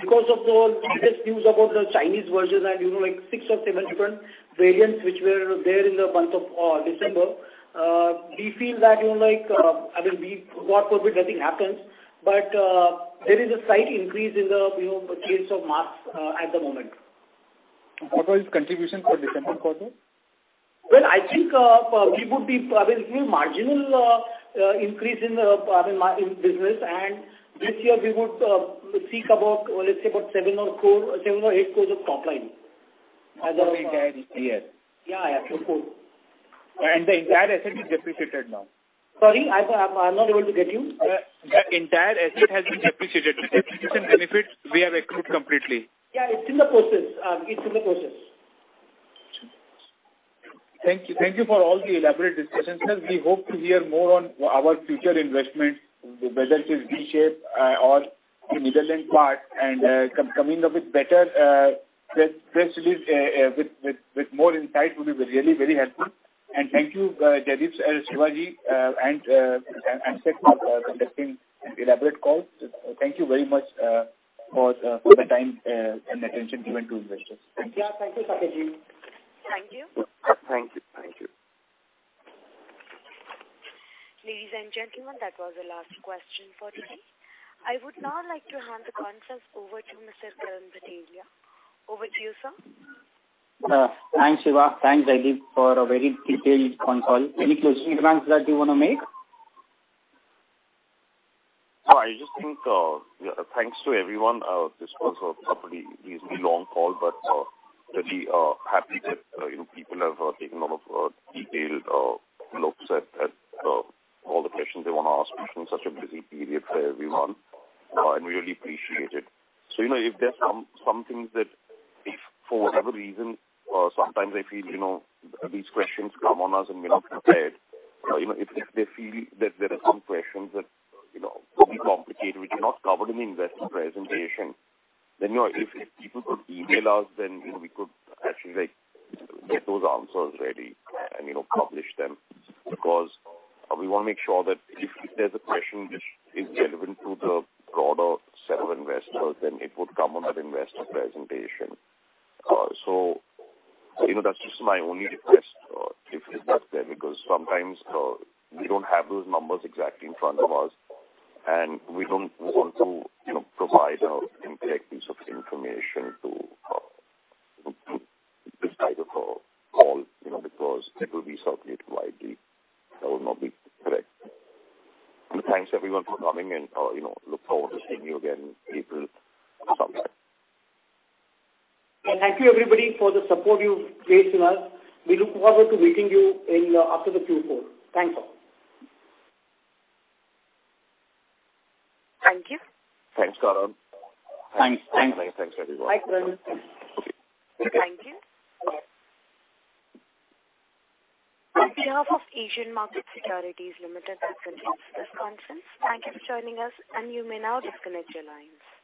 because of the latest news about the Chinese versions and, you know, like six or seven different variants which were there in the month of December, we feel that, you know, like, I mean, we... God forbid, nothing happens. There is a slight increase in the, you know, sales of masks at the moment. What was contribution for December quarter? Well, I think, we would be probably feel marginal increase in the, I mean, in business. This year we would seek about, let's say about 7 or 4 crore, 7 or 8 crore of top line. Of the entire year. Yeah, actual core. The entire asset is depreciated now. Sorry, I'm not able to get you. The entire asset has been depreciated. The depreciation benefits we have accrued completely. Yeah, it's in the process. Thank you. Thank you for all the elaborate discussions. We hope to hear more on our future investments, whether it is V-Shapes, or the Netherlands part, coming up with better, press release, with more insight would be really very helpful. Thank you, Jaideep, Shiva ji, and thanks for conducting elaborate calls. Thank you very much, for the time, and the attention given to investors. Thank you. Yeah. Thank you, Saket Ji. Thank you. Thank you. Thank you. Ladies and gentlemen, that was the last question for today. I would now like to hand the conference over to Mr. Karan Bhatelia. Over to you, sir. Thanks, Shiva. Thanks, Jaideep, for a very detailed consult. Any closing remarks that you wanna make? I just think, yeah, thanks to everyone. This was a pretty long call, really happy that, you know, people have taken a lot of detailed looks at all the questions they wanna ask, especially in such a busy period for everyone. Really appreciate it. You know, if there's some things that if for whatever reason, sometimes I feel, you know, these questions come on us and we're not prepared. You know, if they feel that there are some questions that, you know, could be complicated, which are not covered in the investor presentation, you know, if people could email us, then, you know, we could actually, like, get those answers ready and, you know, publish them. We wanna make sure that if there's a question which is relevant to the broader set of investors, then it would come on that investor presentation. You know, that's just my only request, if it's not there, because sometimes, we don't have those numbers exactly in front of us, and we don't want to, you know, provide an incorrect piece of information to this type of a call, you know, because it will be circulated widely. That would not be correct. Thanks everyone for coming and, you know, look forward to seeing you again April sometime. Thank you everybody for the support you've placed in us. We look forward to meeting you in after the Q4. Thanks all. Thank you. Thanks, Karan. Thanks. Thanks. Thanks, everyone. Thank you. On behalf of Asian Markets Securities Limited, that concludes this conference. Thank you for joining us, and you may now disconnect your lines.